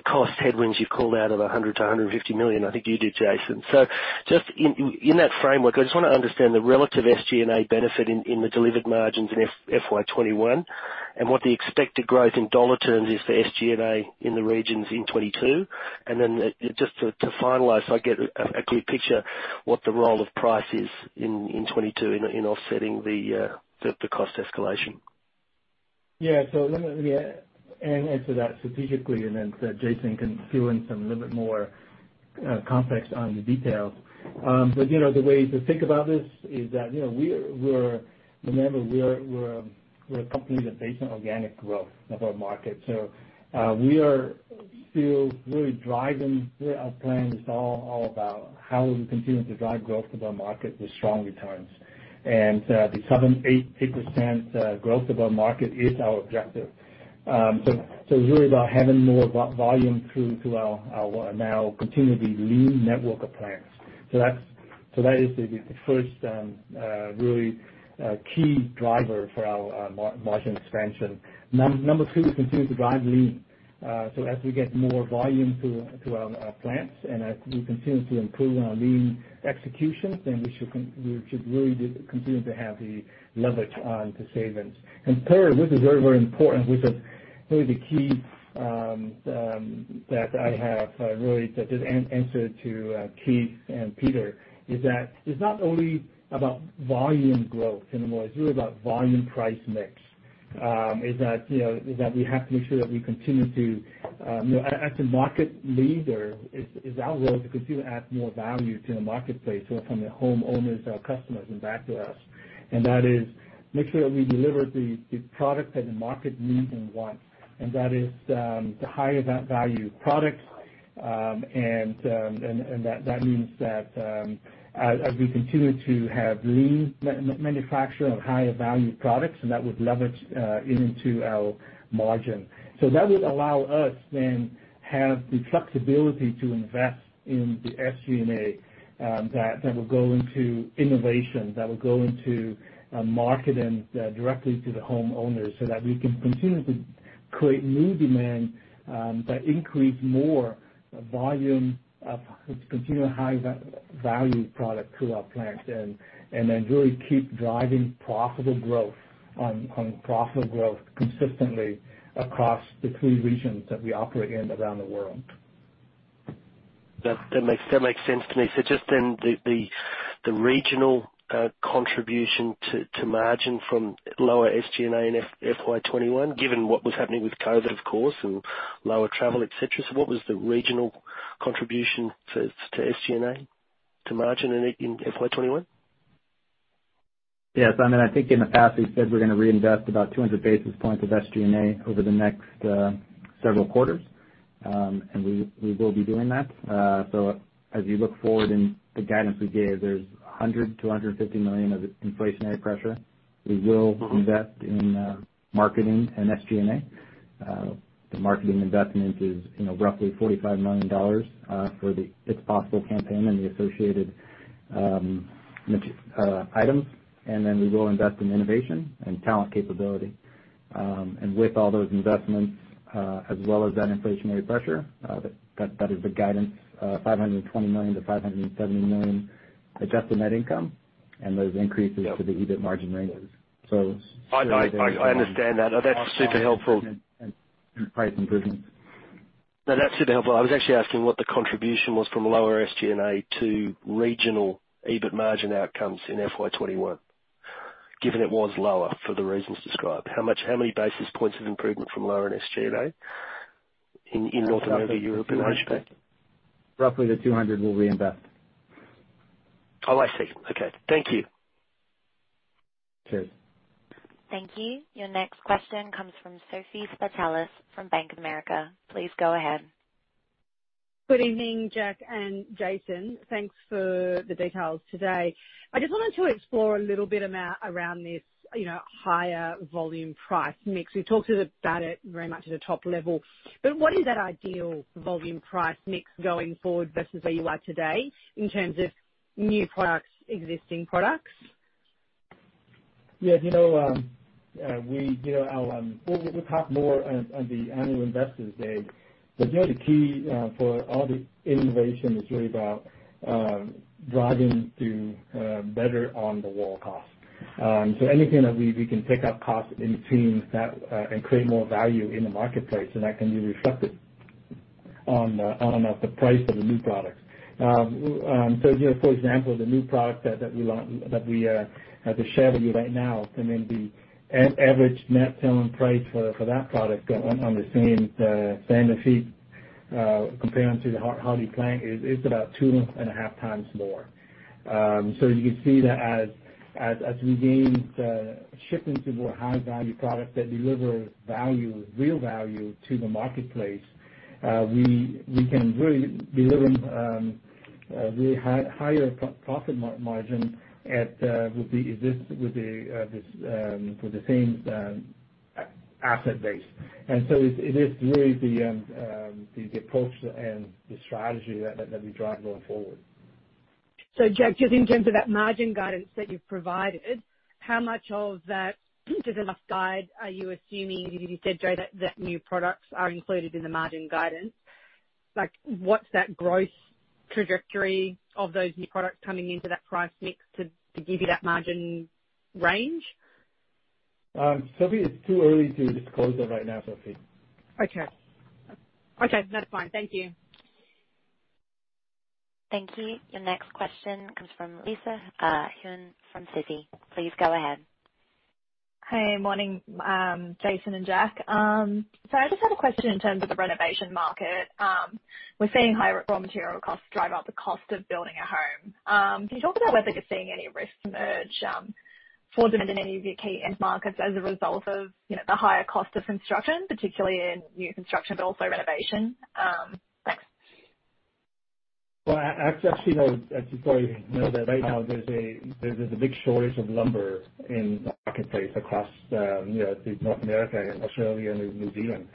[SPEAKER 7] cost headwinds you've called out of $100-150 million. I think you did, Jason. So just in that framework, I just wanna understand the relative SG&A benefit in the delivered margins in FY 2021, and what the expected growth in dollar terms is for SG&A in the regions in 2022. And then, just to finalize, so I get a clear picture, what the role of price is in 2022 in offsetting the cost escalation.
[SPEAKER 2] Yeah. So let me, yeah, and answer that strategically, and then so Jason can fill in some little bit more context on the details. But you know, the way to think about this is that, you know, we're -- remember, we're a company that's based on organic growth of our market. So, we are still really driving our plans all about how we continue to drive growth of our market with strong returns. And, the 7-8% growth of our market is our objective. So, really about having more volume through to our now continually lean network of plants. So that's, that is the first, really key driver for our margin expansion. Number two, we continue to drive lean. So as we get more volume to our plants, and as we continue to improve on our lean execution, then we should really continue to have the leverage on the savings. And third, this is very, very important, which is really the key, that I have really just answered to Keith and Peter, is that it's not only about volume growth anymore, it's really about volume price mix. You know, we have to make sure that we continue to you know, as a market leader, it's our role to continue to add more value to the marketplace, so from the homeowners, our customers, and back to us. And that is, make sure that we deliver the product that the market need and want. And that is the higher value products, and that means that as we continue to have lean manufacturing of higher value products, and that would leverage into our margin. That would allow us then have the flexibility to invest in the SG&A that will go into innovation, that will go into marketing directly to the homeowners, so that we can continue to create new demand, but increase more volume of continuing high value product through our plants. And then really keep driving profitable growth on profitable growth consistently across the three regions that we operate in around the world.
[SPEAKER 7] That makes sense to me. So just then, the regional contribution to margin from lower SG&A in FY 2021, given what was happening with COVID, of course, and lower travel, et cetera. So what was the regional contribution to SG&A to margin in FY 2021?
[SPEAKER 3] Yes, I mean, I think in the past, we said we're gonna reinvest about 200 basis points of SG&A over the next several quarters. And we will be doing that. So as you look forward in the guidance we gave, there's $100-$150 million of inflationary pressure. We will-
[SPEAKER 7] Mm-hmm.
[SPEAKER 3] -invest in marketing and SG&A. The marketing investment is, you know, roughly $45 million for the It's Possible campaign and the associated items. And then we will invest in innovation and talent capability. And with all those investments, as well as that inflationary pressure, that is the guidance, $520 million-$570 million Adjusted Net Income, and those increases-
[SPEAKER 7] Yep.
[SPEAKER 3] to the EBIT margin ranges. So
[SPEAKER 7] I understand that. That's super helpful.
[SPEAKER 3] Price improvements.
[SPEAKER 7] No, that's super helpful. I was actually asking what the contribution was from lower SG&A to regional EBIT margin outcomes in FY twenty-one, given it was lower for the reasons described. How much, how many basis points of improvement from lower SG&A in North America, Europe, and Asia-Pac?
[SPEAKER 3] Roughly the $200 we'll reinvest.
[SPEAKER 7] Oh, I see. Okay. Thank you.
[SPEAKER 3] Sure.
[SPEAKER 1] Thank you. Your next question comes from Sophie Spartalis from Bank of America. Please go ahead.
[SPEAKER 8] Good evening, Jack and Jason. Thanks for the details today. I just wanted to explore a little bit about around this, you know, higher volume price mix. We talked a bit about it very much at a top level, but what is that ideal volume price mix going forward versus where you are today, in terms of new products, existing products?
[SPEAKER 2] Yes, you know, we, you know, our, we'll talk more on the annual investor's day. But, you know, the key for all the innovation is really about driving to better on the wall cost. So anything that we can take out cost in between that and create more value in the marketplace, and that can be reflected on the price of the new product. So, you know, for example, the new product that we have to share with you right now, I mean, the average net selling price for that product on the same feet comparing to the HardiePlank is about two and a half times more. So you can see that as we gain, shifting to more high value products that deliver value, real value to the marketplace, we can really deliver really higher profit margin with the same asset base. And so it is really the approach and the strategy that we drive going forward.
[SPEAKER 8] So Jack, just in terms of that margin guidance that you've provided, how much of that business guidance are you assuming, given you said, Jay, that new products are included in the margin guidance? Like, what's that growth trajectory of those new products coming into that price mix to give you that margin range?
[SPEAKER 2] Sophie, it's too early to disclose that right now, Sophie.
[SPEAKER 8] Okay. Okay, that's fine. Thank you.
[SPEAKER 1] Thank you. Your next question comes from Lisa Huynh from Citi. Please go ahead.
[SPEAKER 9] Hi, morning, Jason and Jack. So I just had a question in terms of the renovation market. We're seeing higher raw material costs drive up the cost of building a home. Can you talk about whether you're seeing any risks emerge for them in any of your key end markets as a result of, you know, the higher cost of construction, particularly in new construction, but also renovation? Thanks.
[SPEAKER 2] Actually, you know, as you probably know, that right now there's a big shortage of lumber in the marketplace across, you know, North America, Australia, and New Zealand.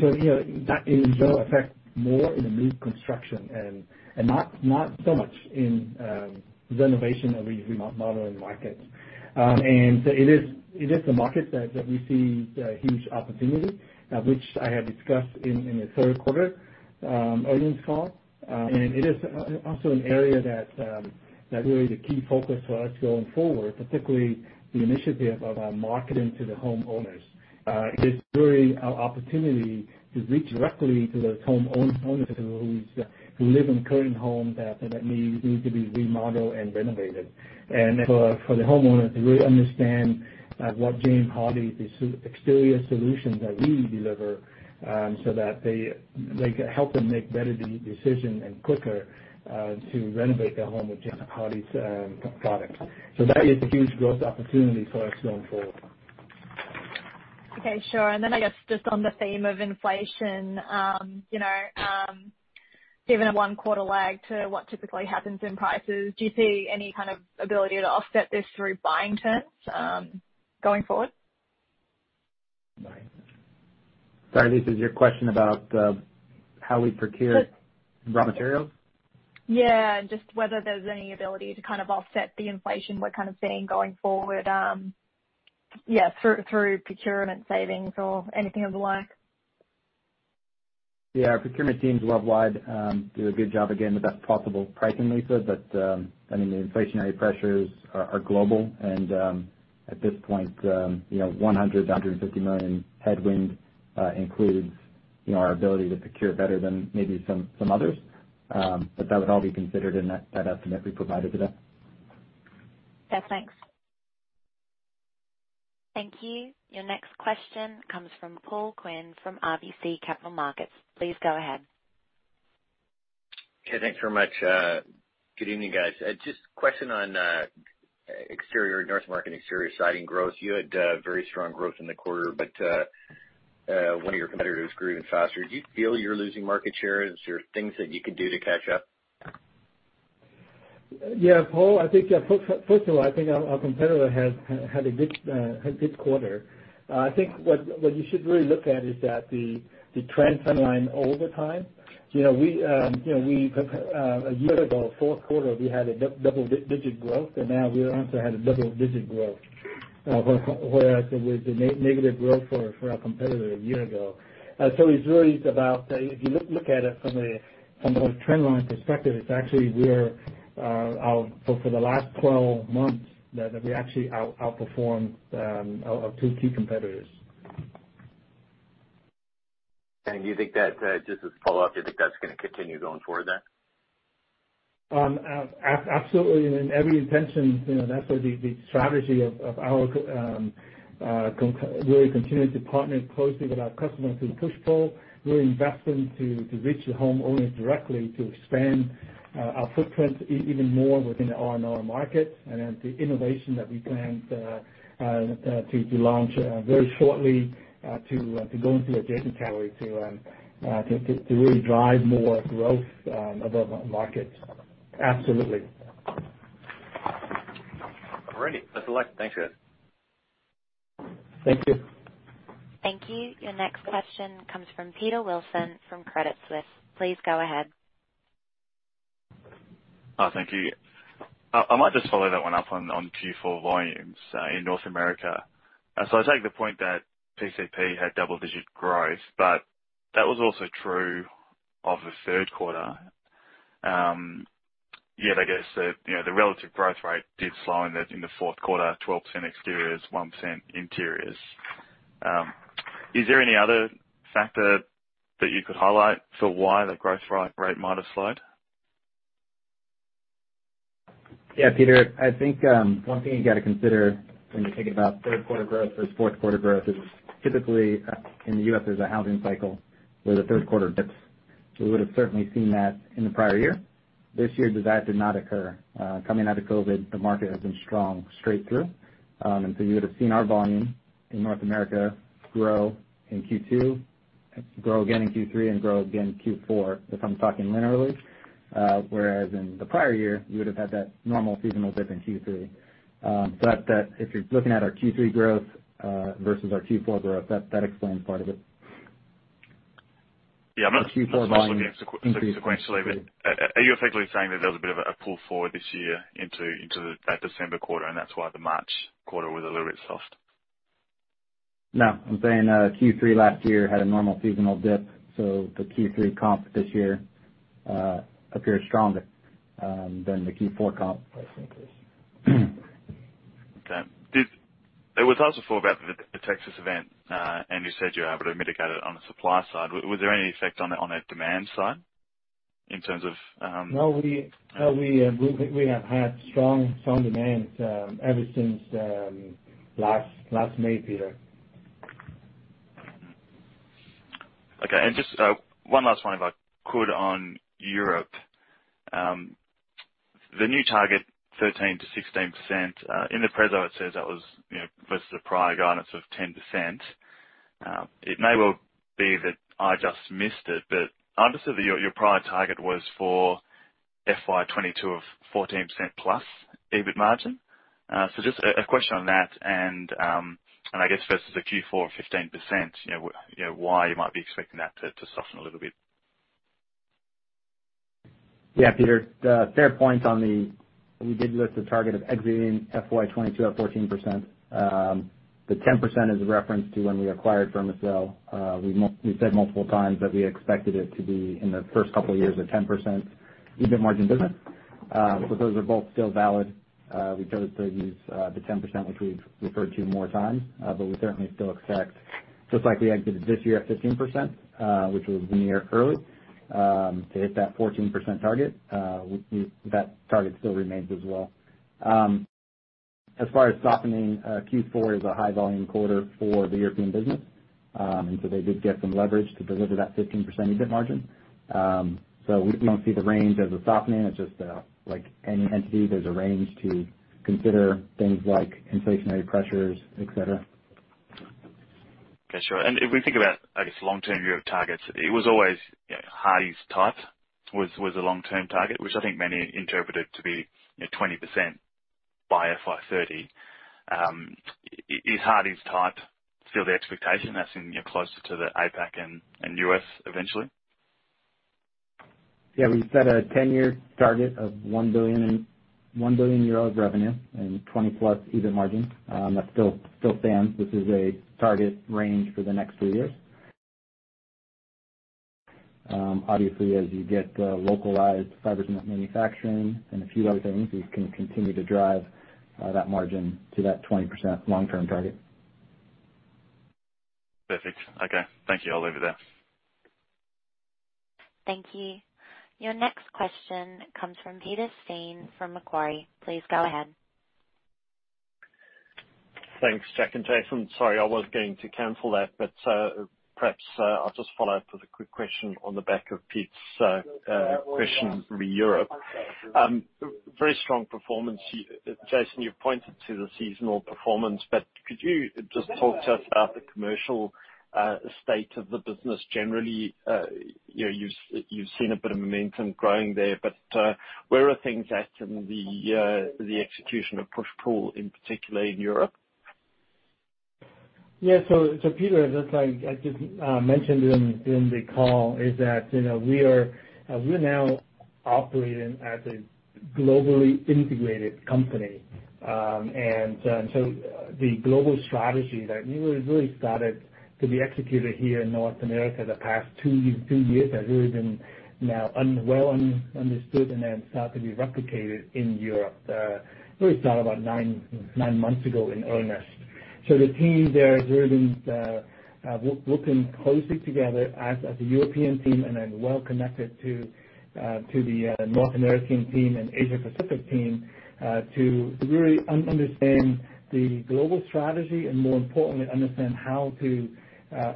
[SPEAKER 2] So, you know, that will affect more in the new construction and not so much in the renovation and remodeling markets. And so it is the market that we see a huge opportunity, which I have discussed in the third quarter earnings call. And it is also an area that really is a key focus for us going forward, particularly the initiative of our marketing to the homeowners. It's really an opportunity to reach directly to those homeowners who live in current homes that may need to be remodeled and renovated. And for the homeowner to really understand what James Hardie, the exterior solutions that we deliver, so that they can help them make better decision and quicker to renovate their home with James Hardie's products. So that is a huge growth opportunity for us going forward.
[SPEAKER 9] Okay, sure. And then I guess just on the theme of inflation, you know, given a one quarter lag to what typically happens in prices, do you see any kind of ability to offset this through buying terms, going forward?
[SPEAKER 3] Sorry, Lisa, is your question about how we procure-
[SPEAKER 9] Yes.
[SPEAKER 3] - raw materials?
[SPEAKER 9] Yeah, just whether there's any ability to kind of offset the inflation we're kind of seeing going forward, yeah, through procurement savings or anything of the like.
[SPEAKER 3] Yeah, our procurement teams worldwide do a good job of getting the best possible pricing, Lisa. But, I mean, the inflationary pressures are global. At this point, you know, $100 million-$150 million headwind includes, you know, our ability to procure better than maybe some others. But that would all be considered in that estimate we provided today.
[SPEAKER 9] Yeah, thanks.
[SPEAKER 1] Thank you. Your next question comes from Paul Quinn, from RBC Capital Markets. Please go ahead.
[SPEAKER 10] Okay, thanks very much. Good evening, guys. Just question on exterior, North America exterior siding growth. You had very strong growth in the quarter, but one of your competitors grew even faster. Do you feel you're losing market share? Is there things that you can do to catch up?
[SPEAKER 2] Yeah, Paul, I think first of all, I think our competitor has had a good quarter. I think what you should really look at is that the trend line over time. You know, a year ago, fourth quarter, we had double digit growth, and now we also had a double digit growth, whereas it was a negative growth for our competitor a year ago. So it's really about if you look at it from a trend line perspective, it's actually we're out. For the last twelve months, that we actually outperformed our two key competitors.
[SPEAKER 10] And do you think that, just as a follow-up, do you think that's gonna continue going forward then?
[SPEAKER 2] Absolutely, and in every intention, you know, that's what the strategy of our we're continuing to partner closely with our customers in push pull. We're investing to reach the homeowners directly, to expand our footprint even more within the R&R market, and then the innovation that we plan to launch very shortly, to really drive more growth above market. Absolutely.
[SPEAKER 10] Great. That's all. Thank you.
[SPEAKER 2] Thank you.
[SPEAKER 1] Thank you. Your next question comes from Peter Wilson, from Credit Suisse. Please go ahead.
[SPEAKER 11] Thank you. I might just follow that one up on Q4 volumes in North America. So I take the point that PCP had double-digit growth, but that was also true of the third quarter. Yet I guess that, you know, the relative growth rate did slow in the fourth quarter, 12% exteriors, 1% interiors. Is there any other factor that you could highlight for why the growth rate might have slowed?
[SPEAKER 3] Yeah, Peter, I think, one thing you've got to consider when you're thinking about third quarter growth versus fourth quarter growth is typically, in the U.S. there's a housing cycle where the third quarter dips. We would have certainly seen that in the prior year. This year, that did not occur. Coming out of COVID, the market has been strong straight through. And so you would have seen our volume in North America grow in Q2, grow again in Q3, and grow again in Q4, if I'm talking linearly. Whereas in the prior year, you would have had that normal seasonal dip in Q3. But that-- if you're looking at our Q3 growth, versus our Q4 growth, that explains part of it.
[SPEAKER 11] Yeah, I'm not-
[SPEAKER 3] Q4 volume-
[SPEAKER 11] sequentially, but are you effectively saying that there was a bit of a pull forward this year into the that December quarter, and that's why the March quarter was a little bit soft?
[SPEAKER 3] No, I'm saying, Q3 last year had a normal seasonal dip, so the Q3 comp this year appeared stronger than the Q4 comp, I think.
[SPEAKER 11] Okay. There was also thought about the Texas event, and you said you were able to mitigate it on the supply side. Was there any effect on the demand side in terms of?
[SPEAKER 2] No, we have had strong, strong demand ever since last May, Peter.
[SPEAKER 11] Mm-hmm. Okay, and just one last one, if I could, on Europe. The new target, 13%-16%, in the preso, it says that was, you know, versus the prior guidance of 10%. It may well be that I just missed it, but I understood that your prior target was for FY 2022 of 14% plus EBIT margin. So just a question on that, and I guess versus the Q4 15%, you know, why you might be expecting that to soften a little bit?
[SPEAKER 3] Yeah, Peter, that's a fair point on the we did list a target of exiting FY 2022 at 14%. The 10% is a reference to when we acquired Fermacell. We've said multiple times that we expected it to be in the first couple of years, a 10% EBIT margin business. So those are both still valid. We chose to use the 10%, which we've referred to more times, but we certainly still expect, just like we exited this year at 15%, which was nearly a year early, to hit that 14% target. That target still remains as well. As far as softening, Q4 is a high volume quarter for the European business. And so they did get some leverage to deliver that 15% EBIT margin. So we don't see the range as a softening, it's just, like any entity, there's a range to consider things like inflationary pressures, et cetera.
[SPEAKER 11] Okay, sure. And if we think about, I guess, long-term view of targets, it was always, you know, Hardie’s EBIT, a long-term target, which I think many interpreted to be, you know, 20% by FY 30. Is Hardie’s EBIT still the expectation that’s in, you know, closer to the APAC and US eventually?
[SPEAKER 3] Yeah, we set a ten-year target of $1 billion and 1 billion euro of revenue and 20-plus EBIT margin. That still stands. This is a target range for the next few years. Obviously, as you get localized fiber cement manufacturing and a few other things, we can continue to drive that margin to that 20% long-term target.
[SPEAKER 11] Perfect. Okay. Thank you. I'll leave it there.
[SPEAKER 1] Thank you. Your next question comes from Peter Steyn, from Macquarie. Please go ahead.
[SPEAKER 12] Thanks, Jack and Jason. Sorry, I was going to cancel that, but, perhaps, I'll just follow up with a quick question on the back of Peter's question re Europe. Very strong performance. Jason, you've pointed to the seasonal performance, but could you just talk to us about the commercial state of the business generally? You know, you've seen a bit of momentum growing there, but, where are things at in the execution of Push-Pull, in particular in Europe?
[SPEAKER 2] Yeah. So Peter, just like I just mentioned in the call, is that, you know, we are, we're now operating as a globally integrated company. And so the global strategy that we really started to be executed here in North America the past two years has really been now understood and then start to be replicated in Europe, really started about nine months ago in earnest. So the team there has really been working closely together as a European team and then well connected to the North American team and Asia Pacific team to really understand the global strategy and more importantly, understand how to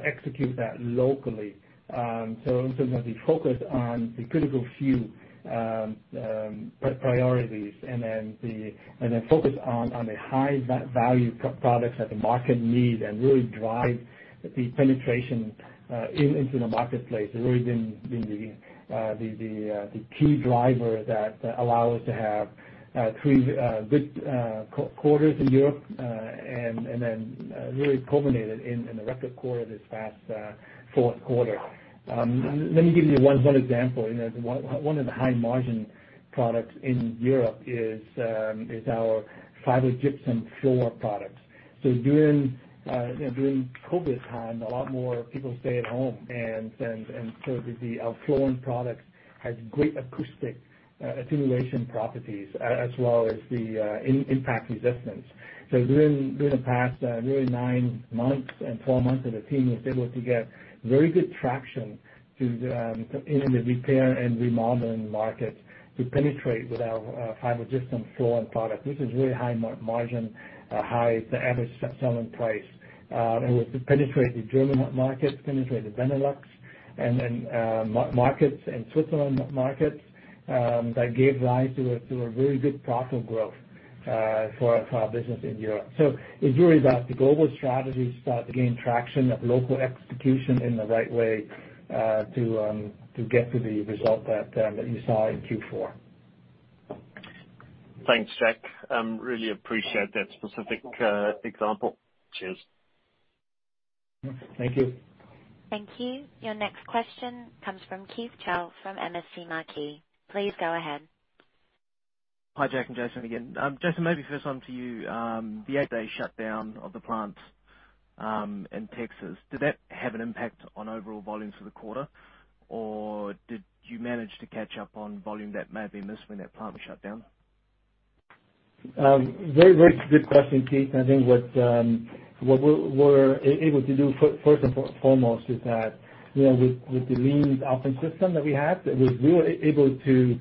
[SPEAKER 2] execute that locally. So in terms of the focus on the critical few priorities and then the... And then focus on the high value products that the market need and really drive the penetration into the marketplace has really been the key driver that allow us to have three good quarters in Europe and then really culminated in the record quarter this past fourth quarter. Let me give you one example. You know, one of the high margin products in Europe is our fiber gypsum floor products. So during COVID time, a lot more people stay at home, and so our flooring products has great acoustic attenuation properties, as well as the impact resistance. So during the past really nine months and four months the team was able to get very good traction to in the repair and remodeling markets to penetrate with our fiber gypsum flooring product. This is really high margin, high average selling price. And we penetrate the German markets, penetrate the Benelux, and then markets and Switzerland markets, that gave rise to a very good profit growth for our business in Europe. It's really about the global strategy start to gain traction of local execution in the right way to get to the result that you saw in Q4.
[SPEAKER 12] Thanks, Jack. Really appreciate that specific example. Cheers.
[SPEAKER 2] Thank you.
[SPEAKER 1] Thank you. Your next question comes from Keith Chau from MST Marquee. Please go ahead.
[SPEAKER 5] Hi, Jack and Jason, again. Jason, maybe first one to you. The eight-day shutdown of the plant, in Texas, did that have an impact on overall volumes for the quarter, or did you manage to catch up on volume that may have been missed when that plant was shut down?
[SPEAKER 2] Very, very good question, Keith. I think what we are able to do first and foremost is that, you know, with the lean operating system that we have, that we are really able to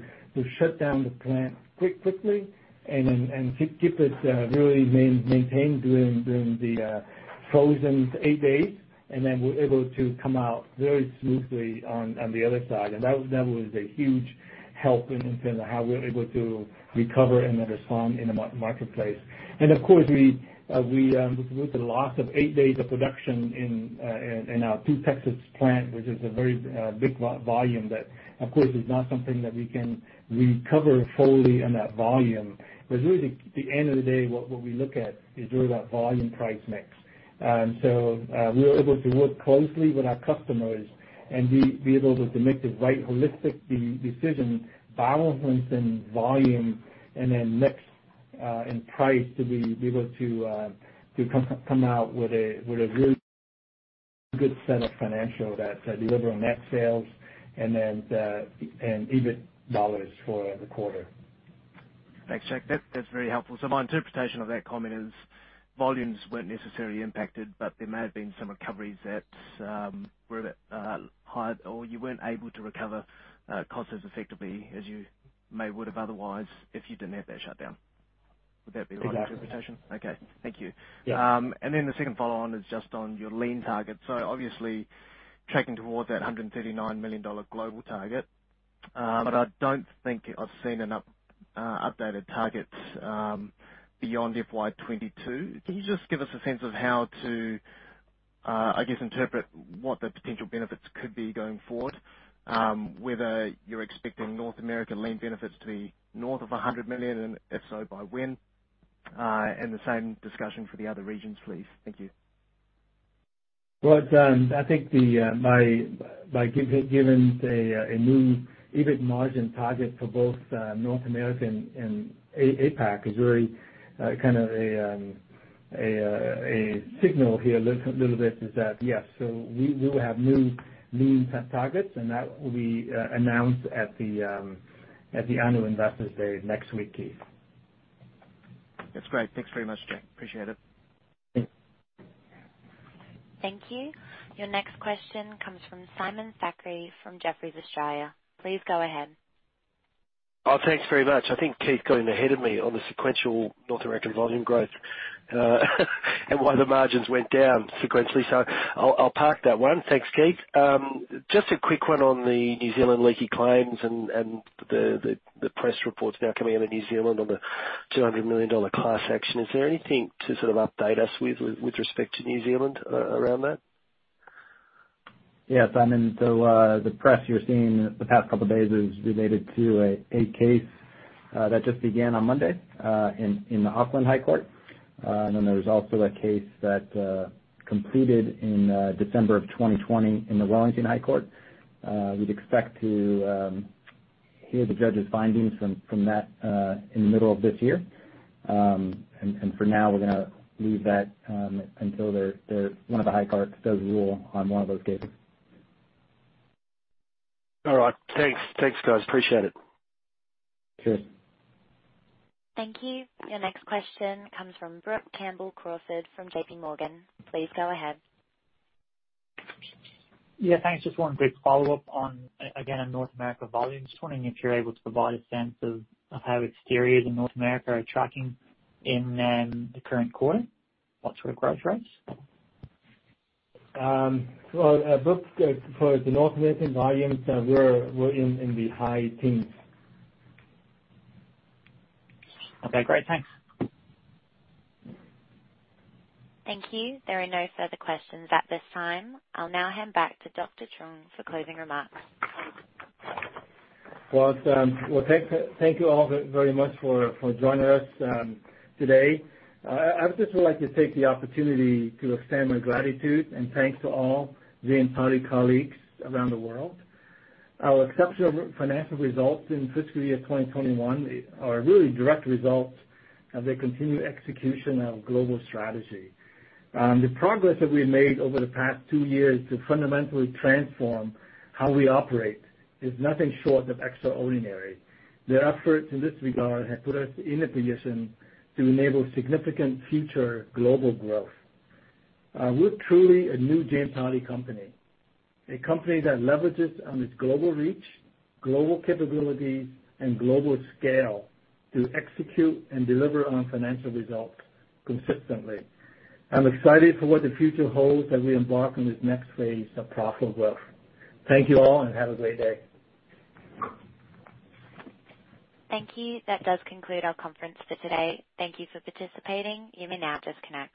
[SPEAKER 2] shut down the plant quickly and keep it really maintained during the frozen eight days, and then we are able to come out very smoothly on the other side. And that was a huge help in terms of how we are able to recover and then respond in the marketplace. And of course, with the loss of eight days of production in our two Texas plants, which is a very big volume, that of course is not something that we can recover fully in that volume. But really, the end of the day, what we look at is really that volume price mix. And so, we were able to work closely with our customers, and be able to make the right holistic decision, balance in volume, and then mix in price to be able to come out with a really good set of financials that deliver on net sales and then and EBIT dollars for the quarter.
[SPEAKER 5] Thanks, Jack. That’s very helpful. So my interpretation of that comment is, volumes weren't necessarily impacted, but there may have been some recoveries that were a bit high, or you weren't able to recover costs as effectively as you may would have otherwise if you didn't have that shutdown. Would that be the right interpretation?
[SPEAKER 2] Exactly.
[SPEAKER 5] Okay, thank you.
[SPEAKER 2] Yeah.
[SPEAKER 5] And then the second follow-on is just on your lean targets. So obviously, tracking towards that $139 million global target, but I don't think I've seen an updated target beyond FY 2022. Can you just give us a sense of how to, I guess, interpret what the potential benefits could be going forward? Whether you're expecting North America lean benefits to be north of $100 million, and if so, by when? And the same discussion for the other regions, please. Thank you.
[SPEAKER 2] I think that by giving a new EBIT margin target for both North America and APAC is very kind of a signal here, a little bit is that, yes, so we will have new lean targets, and that will be announced at the annual Investor Day next week, Keith.
[SPEAKER 5] That's great. Thanks very much, Jack. Appreciate it.
[SPEAKER 2] Thanks.
[SPEAKER 1] Thank you. Your next question comes from Simon Thackray from Jefferies Australia. Please go ahead.
[SPEAKER 7] Oh, thanks very much. I think Keith got in ahead of me on the sequential North American volume growth, and why the margins went down sequentially, so I'll park that one. Thanks, Keith. Just a quick one on the New Zealand leaky claims and the press reports now coming out of New Zealand on the $200 million class action. Is there anything to sort of update us with respect to New Zealand around that?
[SPEAKER 3] Yeah, Simon, so, the press you're seeing the past couple of days is related to a case that just began on Monday in the Auckland High Court. And then there was also a case that completed in December of 2020 in the Wellington High Court. We'd expect to hear the judge's findings from that in the middle of this year. And for now, we're gonna leave that until one of the high courts does rule on one of those cases.
[SPEAKER 7] All right. Thanks. Thanks, guys. Appreciate it.
[SPEAKER 3] Sure.
[SPEAKER 1] Thank you. Your next question comes from Brook Campbell-Crawford, from JP Morgan. Please go ahead.
[SPEAKER 6] Yeah, thanks. Just one quick follow-up on, again, on North America volume. Just wondering if you're able to provide a sense of, of how exteriors in North America are tracking in, the current quarter? What sort of growth rates?
[SPEAKER 2] Well, Brooke, for the North American volumes, we're in the high teens.
[SPEAKER 6] Okay, great. Thanks.
[SPEAKER 1] Thank you. There are no further questions at this time. I'll now hand back to Jack Truong for closing remarks.
[SPEAKER 2] Thank you all very much for joining us today. I'd just like to take the opportunity to extend my gratitude and thanks to all our colleagues around the world. Our exceptional financial results in fiscal year 2021 are really direct results of the continued execution of our global strategy. The progress that we've made over the past two years to fundamentally transform how we operate is nothing short of extraordinary. The efforts in this regard have put us in a position to enable significant future global growth. We're truly a new James Hardie company, a company that leverages on its global reach, global capabilities, and global scale to execute and deliver on financial results consistently. I'm excited for what the future holds as we embark on this next phase of profitable growth. Thank you all, and have a great day.
[SPEAKER 1] Thank you. That does conclude our conference for today. Thank you for participating. You may now disconnect.